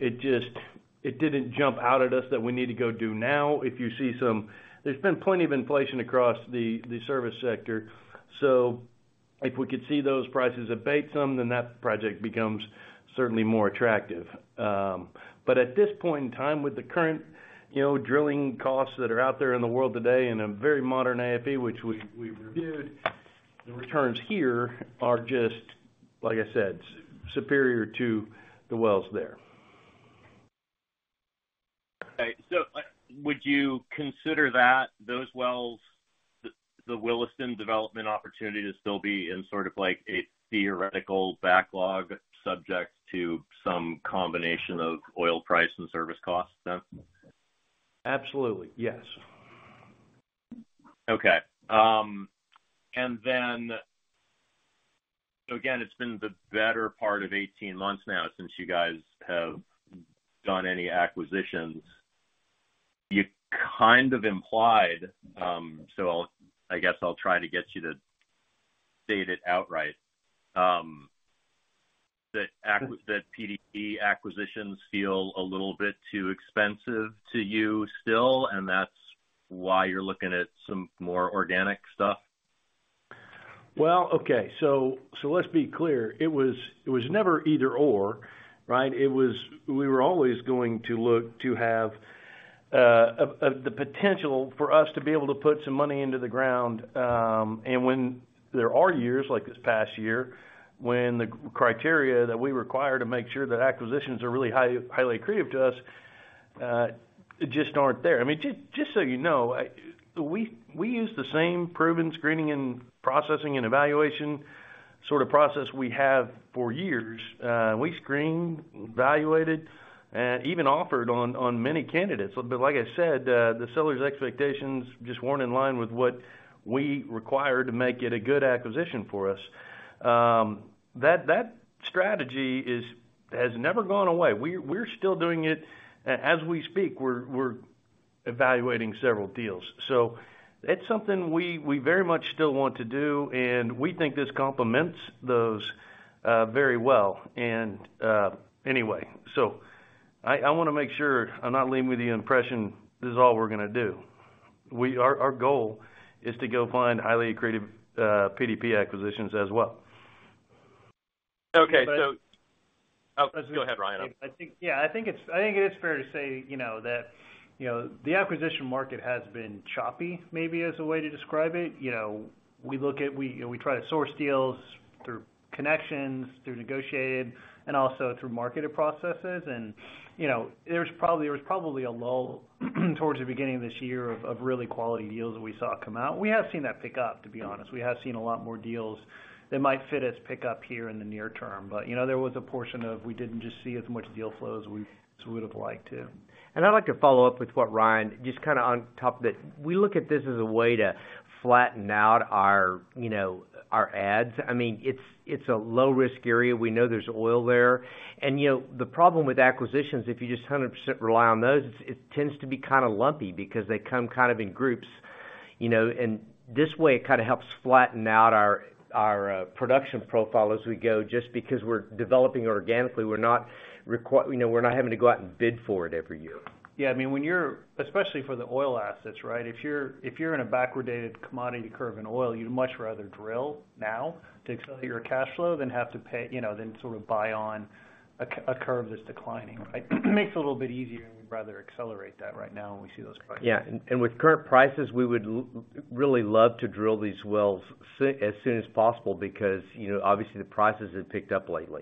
It just didn't jump out at us that we need to go do now. If you see some... There's been plenty of inflation across the service sector, so if we could see those prices abate some, then that project becomes certainly more attractive. But at this point in time, with the current, you know, drilling costs that are out there in the world today, in a very modern AFE, which we've reviewed, the returns here are just, like I said, superior to the wells there. Okay. So, would you consider that, those wells, the Williston development opportunity, to still be in sort of like a theoretical backlog, subject to some combination of oil price and service costs then? Absolutely. Yes. Okay. And then, so again, it's been the better part of 18 months now since you guys have done any acquisitions. You kind of implied, so I'll—I guess I'll try to get you to state it outright, that PDP acquisitions feel a little bit too expensive to you still, and that's why you're looking at some more organic stuff? Well, okay. So let's be clear. It was never either/or, right? It was. We were always going to look to have the potential for us to be able to put some money into the ground, and when there are years, like this past year, when the criteria that we require to make sure that acquisitions are really highly accretive to us, just aren't there. I mean, just so you know, we use the same proven screening and processing and evaluation sort of process we have for years. We screened, evaluated, and even offered on many candidates. But like I said, the seller's expectations just weren't in line with what we require to make it a good acquisition for us. That strategy has never gone away. We're still doing it. As we speak, we're evaluating several deals. So that's something we very much still want to do, and we think this complements those very well. Anyway, so I wanna make sure I'm not leaving you the impression this is all we're gonna do. Our goal is to go find highly accretive PDP acquisitions as well. Okay. So- But- Oh, go ahead, Ryan. I think it is fair to say, you know, that, you know, the acquisition market has been choppy, maybe as a way to describe it. You know, we try to source deals through connections, through negotiated, and also through marketed processes. And, you know, there was probably a lull towards the beginning of this year of really quality deals that we saw come out. We have seen that pick up, to be honest. We have seen a lot more deals that might fit us pick up here in the near term. But, you know, there was a portion of, we didn't just see as much deal flow as we, as we would've liked to. And I'd like to follow up with what Ryan just kinda on top of that. We look at this as a way to flatten out our, you know, our A&Ds. I mean, it's a low-risk area. We know there's oil there. And, you know, the problem with acquisitions, if you just 100% rely on those, it tends to be kinda lumpy because they come kind of in groups, you know. And this way, it kinda helps flatten out our production profile as we go, just because we're developing organically, we're not having to go out and bid for it every year. Yeah, I mean, when you're especially for the oil assets, right? If you're in a backwardated commodity curve in oil, you'd much rather drill now to accelerate your cash flow than have to pay, you know, then sort of buy on a curve that's declining, right? It makes it a little bit easier, and we'd rather accelerate that right now when we see those prices. Yeah, and with current prices, we would really love to drill these wells as soon as possible because, you know, obviously, the prices have picked up lately.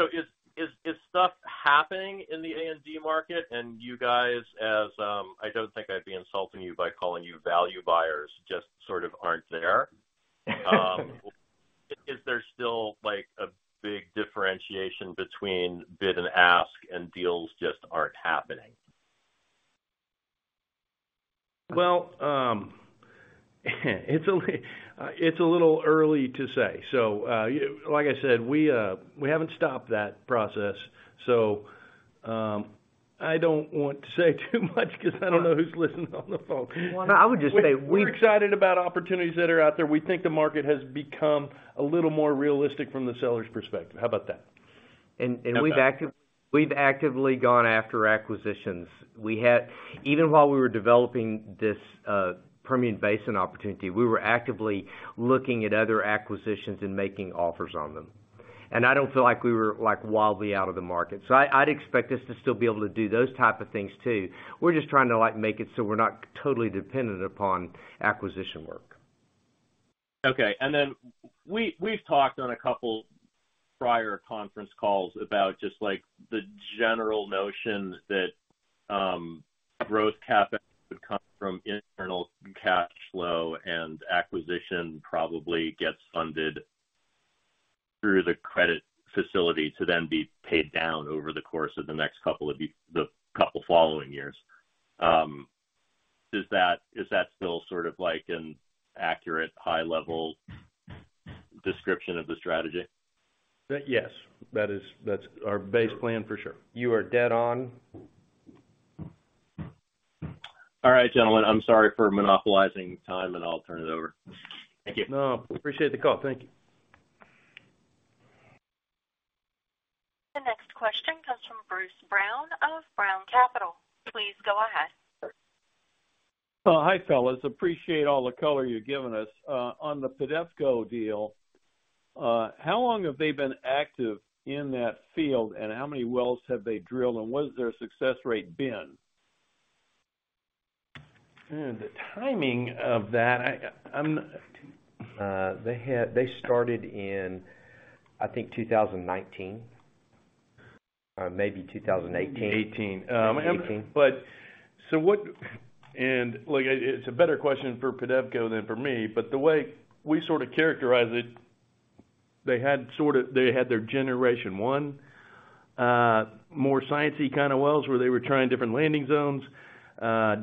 So is stuff happening in the A&D market? And you guys, I don't think I'd be insulting you by calling you value buyers, just sort of aren't there. Is there still, like, a big differentiation between bid and ask, and deals just aren't happening? Well, it's only, it's a little early to say. So, you, like I said, we, we haven't stopped that process, so, I don't want to say too much 'cause I don't know who's listening on the phone. I would just say we- We're excited about opportunities that are out there. We think the market has become a little more realistic from the seller's perspective. How about that? We've actively gone after acquisitions. Even while we were developing this Permian Basin opportunity, we were actively looking at other acquisitions and making offers on them. I don't feel like we were, like, wildly out of the market. So I'd expect us to still be able to do those type of things, too. We're just trying to, like, make it so we're not totally dependent upon acquisition work. Okay. And then, we've talked on a couple prior conference calls about just, like, the general notion that growth capital would come from internal cash flow, and acquisition probably gets funded through the credit facility to then be paid down over the course of the next couple of the couple following years. Is that still sort of like an accurate, high-level description of the strategy? Yes. That is, that's our base plan for sure. You are dead on. All right, gentlemen, I'm sorry for monopolizing time, and I'll turn it over. Thank you. No, appreciate the call. Thank you. The next question comes from Bruce Brown of Brown Capital. Please go ahead. Hi, fellas. Appreciate all the color you've given us. On the PEDEVCO deal, how long have they been active in that field, and how many wells have they drilled, and what has their success rate been? The timing of that, I'm... They had—they started in, I think, 2019, maybe 2018. Eighteen. Eighteen. But look, it's a better question for PEDEVCO than for me, but the way we sort of characterize it, they had their Generation One, more sciencey kinda wells, where they were trying different landing zones,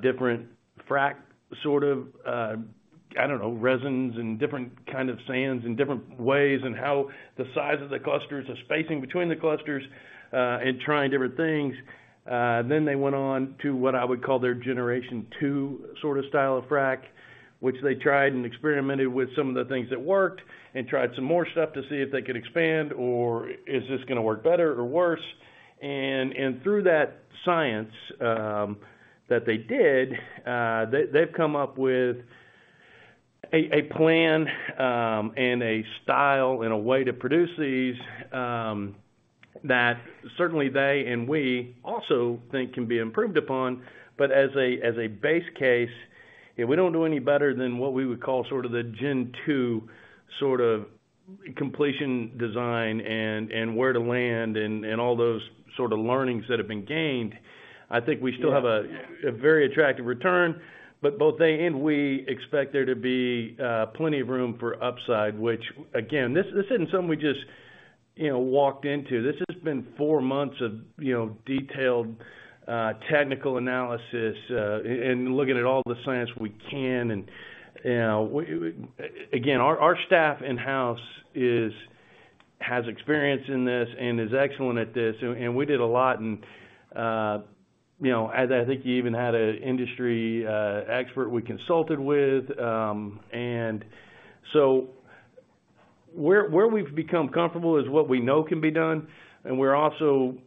different frack, sort of, I don't know, resins and different kind of sands and different ways and how the size of the clusters, the spacing between the clusters, and trying different things. Then they went on to what I would call their Generation Two sorta style of frac, which they tried and experimented with some of the things that worked, and tried some more stuff to see if they could expand or is this gonna work better or worse. And through that science, that they did, they’ve come up with a plan, and a style, and a way to produce these, that certainly they and we also think can be improved upon. But as a base case, if we don’t do any better than what we would call sort of the Gen 2, sort of, completion, design and where to land, and all those sorta learnings that have been gained, I think we still have a very attractive return. But both they and we expect there to be plenty of room for upside, which again, this isn’t something we just, you know, walked into. This has been four months of, you know, detailed, technical analysis, and looking at all the science we can. You know, again, our staff in-house has experience in this and is excellent at this. And we did a lot in, you know, as I think you even had an industry expert we consulted with. Where we've become comfortable is what we know can be done, and we're also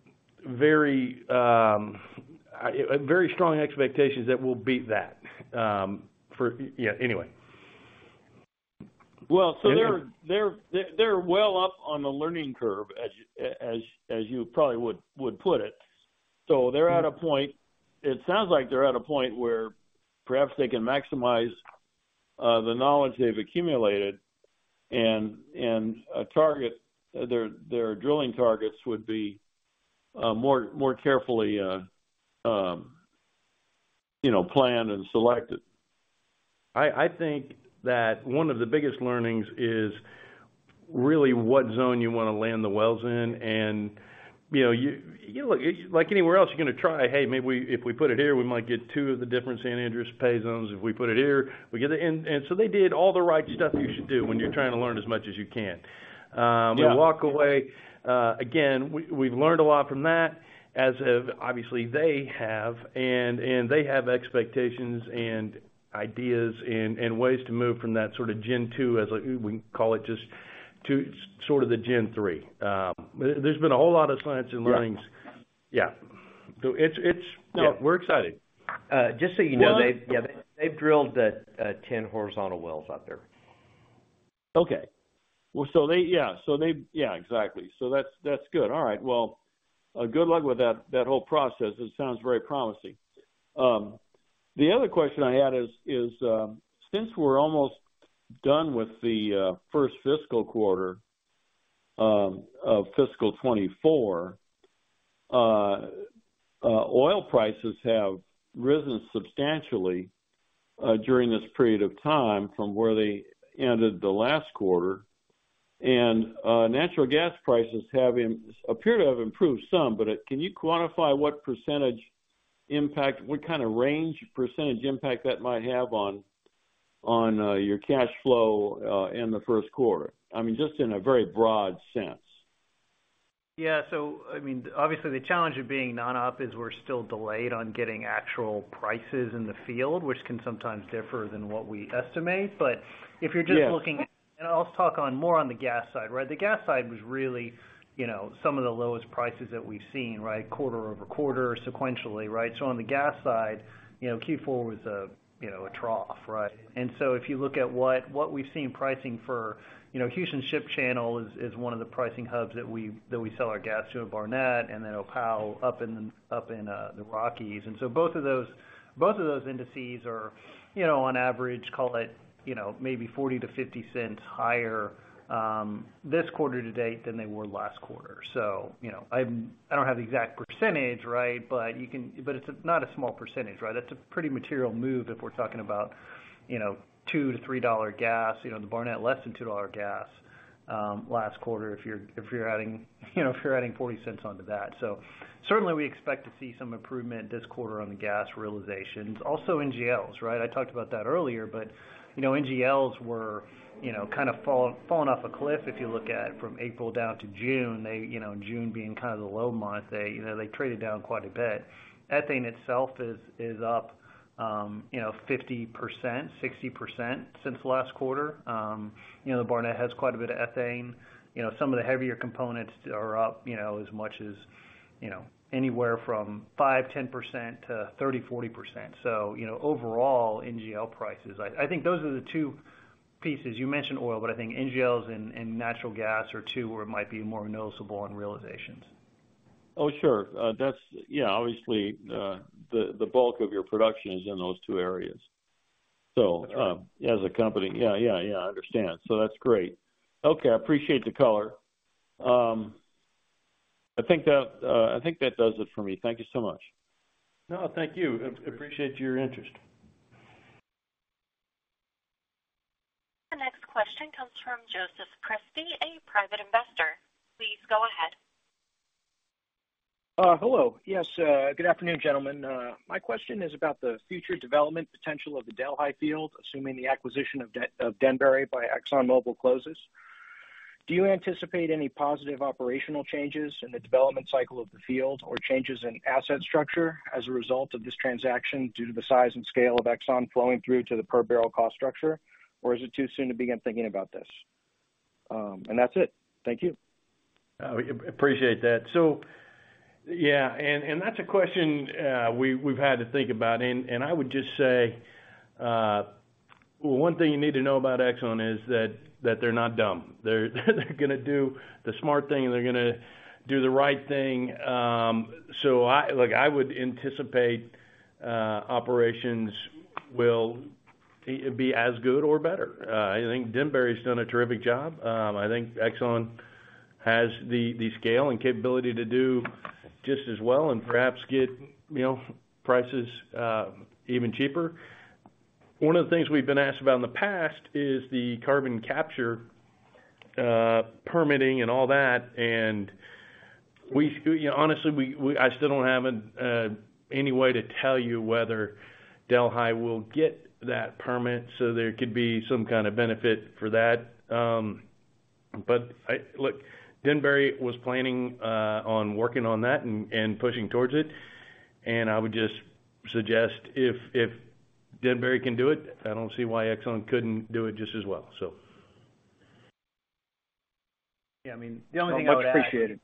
very very strong expectations that we'll beat that, for yeah anyway. Well, so they're well up on the learning curve, as you probably would put it. So they're at a point. It sounds like they're at a point where perhaps they can maximize the knowledge they've accumulated, and their drilling targets would be more carefully, you know, planned and selected. I think that one of the biggest learnings is really what zone you wanna land the wells in, and, you know, you look - like anywhere else, you're gonna try, "Hey, maybe we - if we put it here, we might get two of the different San Andres pay zones. If we put it here, we get it..." And so they did all the right stuff you should do when you're trying to learn as much as you can. Yeah. We walk away. Again, we, we've learned a lot from that, as have, obviously, they have, and, and they have expectations and ideas and, and ways to move from that sort of Gen 2, as we can call it, just to sort of the Gen 3. There, there's been a whole lot of science and learnings. Yeah. Yeah. So it's, Yeah. We're excited. Just so you know- Well-... yeah, they've drilled the 10 horizontal wells out there. Okay. Well, yeah, exactly. So that's good. All right. Well, good luck with that whole process. It sounds very promising. The other question I had is, since we're almost done with the first fiscal quarter of fiscal 2024, oil prices have risen substantially during this period of time from where they ended the last quarter. And natural gas prices appear to have improved some, but can you quantify what percentage impact, what kind of range percentage impact that might have on your cash flow in the first quarter? I mean, just in a very broad sense. Yeah. So, I mean, obviously, the challenge of being non-op is we're still delayed on getting actual prices in the field, which can sometimes differ than what we estimate. But if you're just looking- Yeah. I'll talk more on the gas side, right? The gas side was really, you know, some of the lowest prices that we've seen, right? Quarter-over-quarter, sequentially, right? So on the gas side, you know, Q4 was a, you know, a trough, right? And so if you look at what we've seen pricing for. You know, Houston Ship Channel is one of the pricing hubs that we sell our gas to in Barnett, and then Opal up in, up in the Rockies. And so both of those indices are, you know, on average, call it, you know, maybe $0.40-$0.50 higher this quarter to date than they were last quarter. So, you know, I don't have the exact percentage, right? But you can, but it's not a small percentage, right? That's a pretty material move if we're talking about, you know, $2-$3 gas, you know, the Barnett, less than $2 gas, last quarter, if you're adding, you know, if you're adding $0.40 onto that. So certainly, we expect to see some improvement this quarter on the gas realizations. Also, NGLs, right? I talked about that earlier, but, you know, NGLs were, you know, kind of falling off a cliff if you look at it from April down to June. They, you know, June being kind of the low month, they, you know, they traded down quite a bit. Ethane itself is up, you know, 50%, 60% since last quarter. You know, the Barnett has quite a bit of ethane. You know, some of the heavier components are up, you know, as much as, you know, anywhere from 5%-10% to 30%-40%. So, you know, overall, NGL prices. I, I think those are the two pieces. You mentioned oil, but I think NGLs and, and natural gas are two where it might be more noticeable on realizations. Oh, sure. That's... Yeah, obviously, the bulk of your production is in those two areas. So- as a company. Yeah, yeah, yeah, I understand. So that's great. Okay, I appreciate the color. I think that does it for me. Thank you so much. No, thank you. Appreciate your interest. The next question comes from Joseph Christie, a private investor. Please go ahead. Hello. Yes, good afternoon, gentlemen. My question is about the future development potential of the Delhi Field, assuming the acquisition of Denbury by ExxonMobil closes. Do you anticipate any positive operational changes in the development cycle of the field, or changes in asset structure as a result of this transaction due to the size and scale of Exxon flowing through to the per barrel cost structure? Or is it too soon to begin thinking about this? And that's it. Thank you. We appreciate that. And that's a question we've had to think about, and I would just say, well, one thing you need to know about Exxon is that they're not dumb. They're gonna do the smart thing, and they're gonna do the right thing. I would anticipate operations will be as good or better. I think Denbury's done a terrific job. I think Exxon has the scale and capability to do just as well and perhaps get, you know, prices even cheaper. One of the things we've been asked about in the past is the carbon capture permitting and all that, and we... You know, honestly, I still don't have any way to tell you whether Delhi will get that permit, so there could be some kind of benefit for that. But look, Denbury was planning on working on that and pushing towards it, and I would just suggest if Denbury can do it, I don't see why Exxon couldn't do it just as well, so. Yeah, I mean, the only thing I would add- Much appreciated.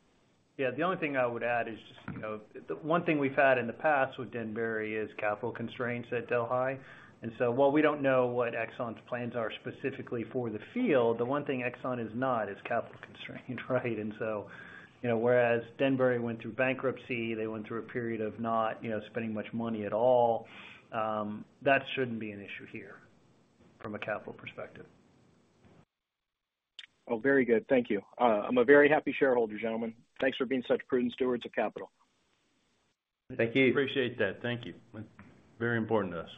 Yeah, the only thing I would add is just, you know, the one thing we've had in the past with Denbury is capital constraints at Delhi. And so while we don't know what Exxon's plans are specifically for the field, the one thing Exxon is not, is capital constrained, right? And so, you know, whereas Denbury went through bankruptcy, they went through a period of not, you know, spending much money at all, that shouldn't be an issue here from a capital perspective. Oh, very good. Thank you. I'm a very happy shareholder, gentlemen. Thanks for being such prudent stewards of capital. Thank you. Appreciate that. Thank you. Very important to us.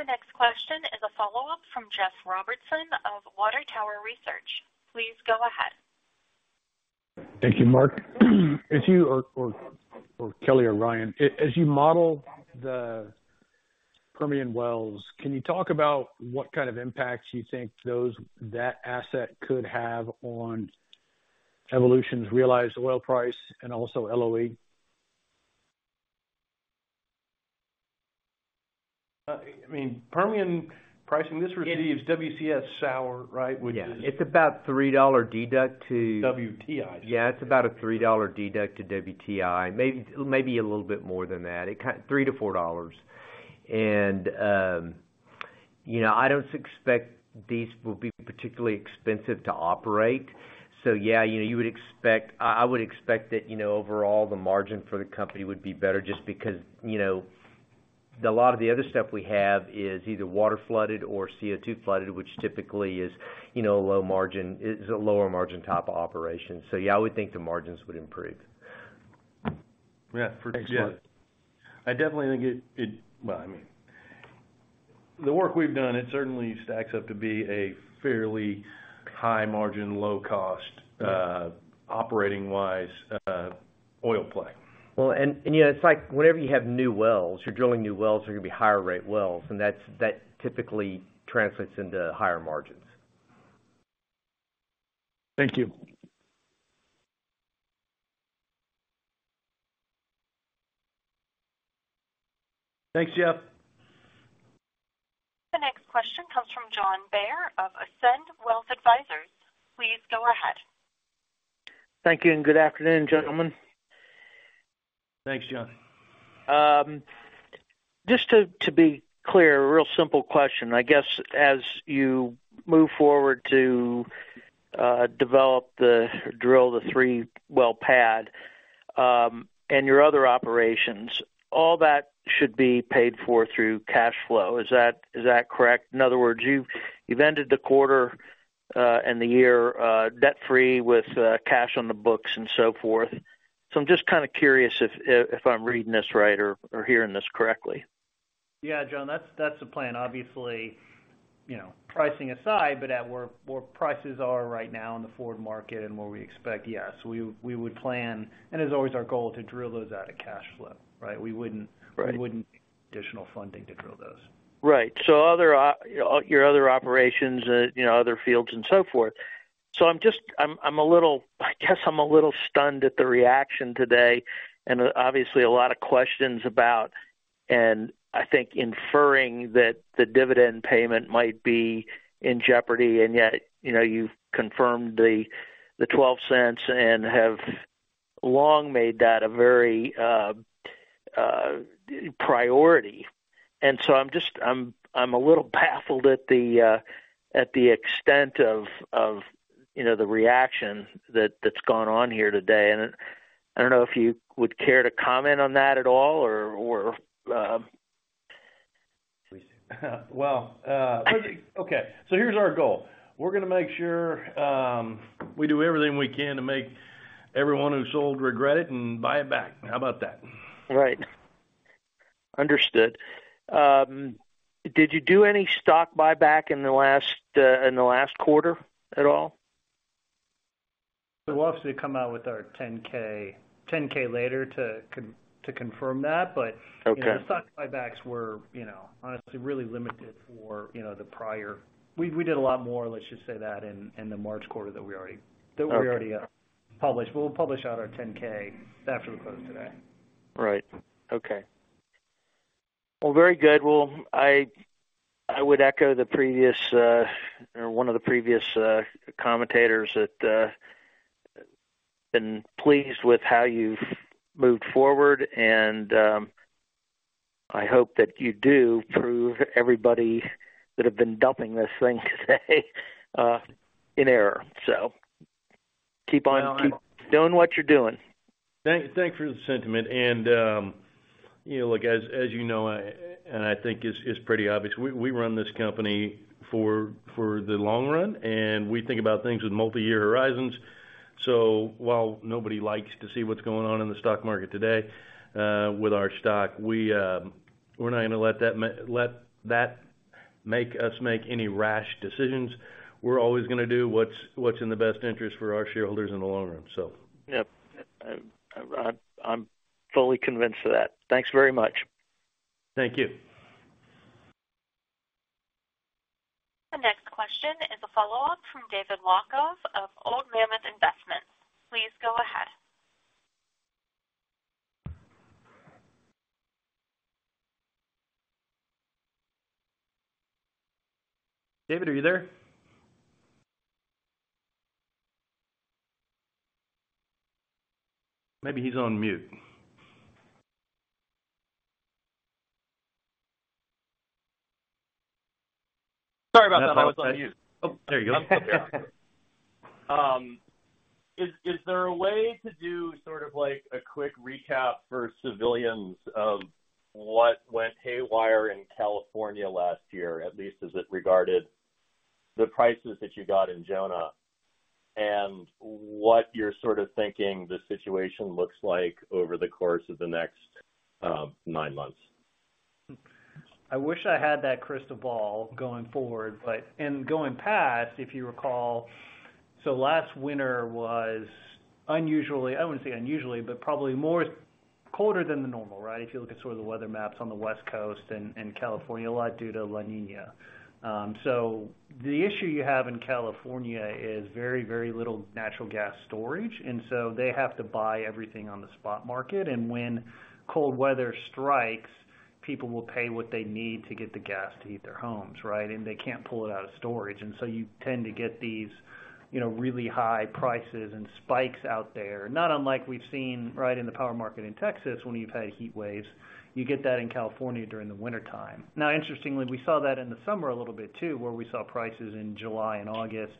The next question is a follow-up from Jeff Robertson of Water Tower Research. Please go ahead. Thank you, Mark. As you or Kelly or Ryan, as you model the Permian wells, can you talk about what kind of impacts you think those that asset could have on Evolution's realized oil price and also LOE? I mean, Permian pricing, this receives WCS sour, right? Which is- Yeah, it's about $3 deduct to- WTI. Yeah, it's about a $3 deduct to WTI. Maybe, maybe a little bit more than that, three to four dollars. And, you know, I don't expect these will be particularly expensive to operate. So yeah, you know, you would expect... I, I would expect that, you know, overall, the margin for the company would be better just because, you know, a lot of the other stuff we have is either water flooded or CO2 flooded, which typically is, you know, a low margin, it's a lower margin type of operation. So yeah, I would think the margins would improve. Yeah, for sure. Thanks, Jeff. I definitely think it, well, I mean, the work we've done, it certainly stacks up to be a fairly high margin, low cost, operating wise, oil play. Well, you know, it's like whenever you have new wells, you're drilling new wells, they're gonna be higher rate wells, and that typically translates into higher margins. Thank you. Thanks, Jeff. The next question comes from John Bair of Ascend Wealth Advisors. Please go ahead. Thank you, and good afternoon, gentlemen. Thanks, John. Just to be clear, a real simple question, I guess, as you move forward to develop and drill the 3-well pad, and your other operations, all that should be paid for through cash flow. Is that correct? In other words, you've ended the quarter and the year debt-free, with cash on the books and so forth. So I'm just kind of curious if I'm reading this right or hearing this correctly. Yeah, John, that's the plan. Obviously, you know, pricing aside, but where prices are right now in the forward market and where we expect, yes, we would plan, and it's always our goal to drill those out of cash flow, right? We wouldn't- Right. We wouldn't additional funding to drill those. Right. So other operations and, you know, other fields and so forth. So I'm just. I'm a little-- I guess I'm a little stunned at the reaction today, and obviously, a lot of questions about, and I think inferring that the dividend payment might be in jeopardy, and yet, you know, you've confirmed the $0.12 and have long made that a very priority. And so I'm just - I'm a little baffled at the extent of, you know, the reaction that's gone on here today. And I don't know if you would care to comment on that at all or, or? Well, okay, so here's our goal: We're gonna make sure we do everything we can to make everyone who sold regret it and buy it back. How about that? Right. Understood. Did you do any stock buyback in the last quarter at all? So we'll obviously come out with our 10-K later to confirm that, but- Okay. The stock buybacks were, you know, honestly, really limited for, you know, the prior... We did a lot more, let's just say that, in the March quarter that we already- Okay. That we already published. We'll publish out our 10-K after we close today. Right. Okay. Well, very good. Well, I would echo the previous, or one of the previous, commentators that been pleased with how you've moved forward, and, I hope that you do prove everybody that have been dumping this thing today, in error. So keep on- Keep doing what you're doing. Thanks for the sentiment. And, you know, look, as, as you know, and I think it's, it's pretty obvious, we, we run this company for, for the long run, and we think about things with multi-year horizons. So while nobody likes to see what's going on in the stock market today, with our stock, we, we're not gonna let that make us make any rash decisions. We're always gonna do what's, what's in the best interest for our shareholders in the long run, so. Yep. I'm fully convinced of that. Thanks very much. Thank you. The next question is a follow-up from David Lockoff of Old Mammoth Investments. Please go ahead. David, are you there? Maybe he's on mute. Sorry about that. I was on mute. Oh, there you go. Is there a way to do sort of like a quick recap for civilians of what went haywire in California last year, at least as it regarded the prices that you got in Jonah, and what you're sort of thinking the situation looks like over the course of the next nine months? I wish I had that crystal ball going forward, but... And going past, if you recall, so last winter was unusually, I wouldn't say unusually, but probably more colder than the normal right? If you look at sort of the weather maps on the West Coast and California, a lot due to La Niña. So the issue you have in California is very, very little natural gas storage, and so they have to buy everything on the spot market. And when cold weather strikes, people will pay what they need to get the gas to heat their homes, right? And they can't pull it out of storage, and so you tend to get these, you know, really high prices and spikes out there, not unlike we've seen right in the power market in Texas, when you've had heat waves. You get that in California during the wintertime. Now, interestingly, we saw that in the summer a little bit, too, where we saw prices in July and August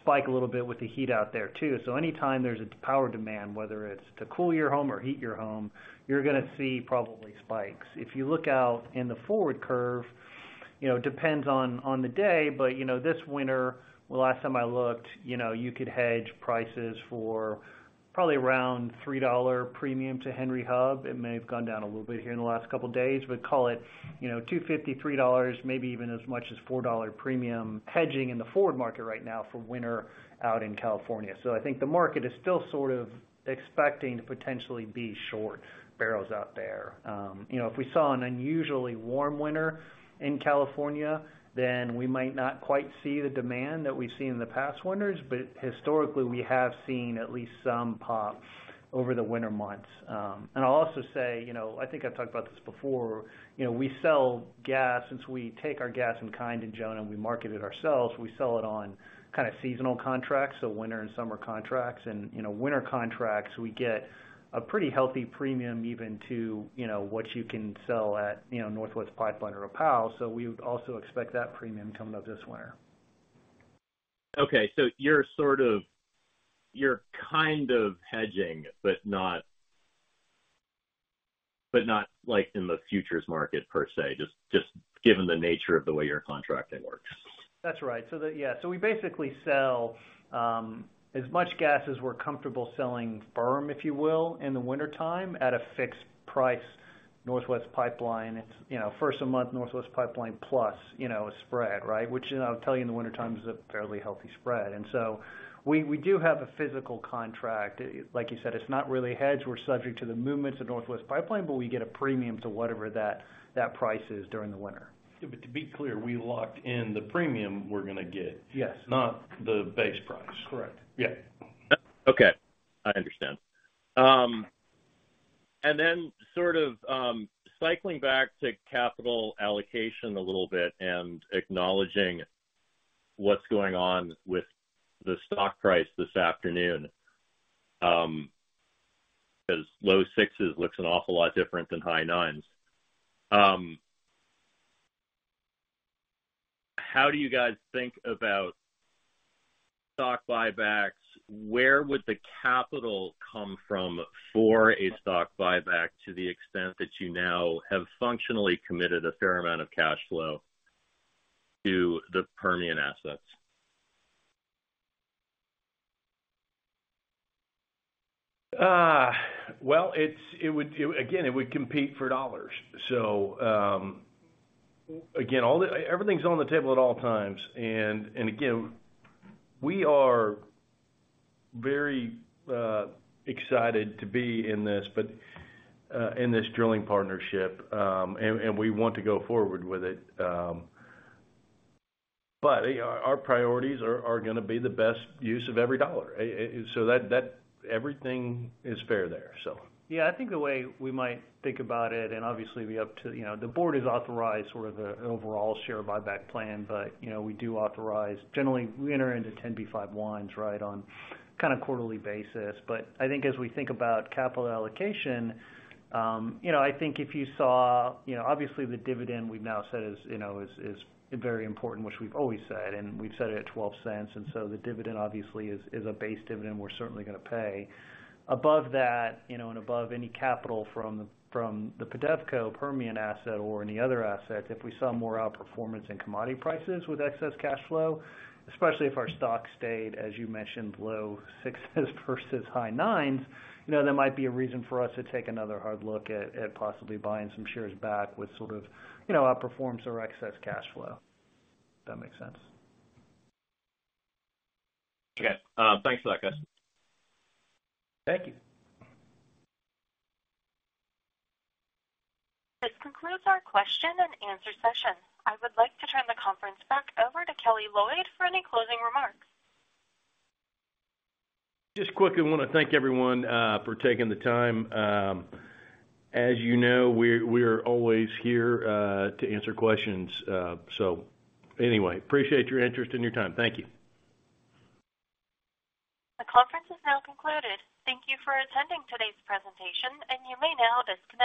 spike a little bit with the heat out there, too. So anytime there's a power demand, whether it's to cool your home or heat your home, you're gonna see probably spikes. If you look out in the forward curve, you know, depends on the day, but, you know, this winter, the last time I looked, you know, you could hedge prices for probably around $3 premium to Henry Hub. It may have gone down a little bit here in the last couple of days, but call it, you know, $2.50-$3, maybe even as much as $4 premium hedging in the forward market right now for winter out in California. So I think the market is still sort of expecting to potentially be short bbl out there. You know, if we saw an unusually warm winter in California, then we might not quite see the demand that we've seen in the past winters. But historically, we have seen at least some pop over the winter months. And I'll also say, you know, I think I've talked about this before, you know, we sell gas. Since we take our gas in kind in Jonah, we market it ourselves, we sell it on kind of seasonal contracts, so winter and summer contracts. And, you know, winter contracts, we get a pretty healthy premium even to, you know, what you can sell at, you know, Northwest Pipeline or Opal. So we would also expect that premium coming up this winter. Okay, so you're sort of, you're kind of hedging, but not, but not like in the futures market per se, just, just given the nature of the way your contracting works. That's right. So yeah, so we basically sell as much gas as we're comfortable selling firm, if you will, in the wintertime at a fixed price. Northwest Pipeline, it's, you know, first of month, Northwest Pipeline, plus, you know, a spread, right? Which, you know, I'll tell you, in the wintertime, is a fairly healthy spread. And so we do have a physical contract. Like you said, it's not really hedged. We're subject to the movements of Northwest Pipeline, but we get a premium to whatever that price is during the winter. Yeah, but to be clear, we locked in the premium we're gonna get- Yes. - not the base price. Correct. Yeah. Okay, I understand. And then sort of, cycling back to capital allocation a little bit and acknowledging what's going on with the stock price this afternoon, 'cause low 6s looks an awful lot different than high 9s. How do you guys think about stock buybacks? Where would the capital come from for a stock buyback, to the extent that you now have functionally committed a fair amount of cash flow to the Permian assets? it would compete for dollars. Again, it would compete for dollars. So, again, everything's on the table at all times. And again, we are very excited to be in this, but in this drilling partnership, and we want to go forward with it. But our priorities are gonna be the best use of every dollar. So that everything is fair there, so. Yeah, I think the way we might think about it, and obviously, we have to, you know, the board has authorized sort of the overall share buyback plan, but, you know, we do authorize... Generally, we enter into 10b5-1s, right, on a kind of quarterly basis. But I think as we think about capital allocation, you know, I think if you saw, you know, obviously the dividend we've now said is very important, which we've always said, and we've set it at $0.12. And so the dividend, obviously, is a base dividend we're certainly gonna pay. Above that, you know, and above any capital from the PEDEVCO Permian asset or any other assets, if we saw more outperformance in commodity prices with excess cash flow, especially if our stock stayed, as you mentioned, low sixes versus high nines, you know, that might be a reason for us to take another hard look at possibly buying some shares back with sort of, you know, outperforms or excess cash flow. If that makes sense. Okay, thanks for that, guys. Thank you. This concludes our question and answer session. I would like to turn the conference back over to Kelly Loyd for any closing remarks. Just quickly want to thank everyone for taking the time. As you know, we are always here to answer questions. So anyway, appreciate your interest and your time. Thank you. The conference is now concluded. Thank you for attending today's presentation, and you may now disconnect.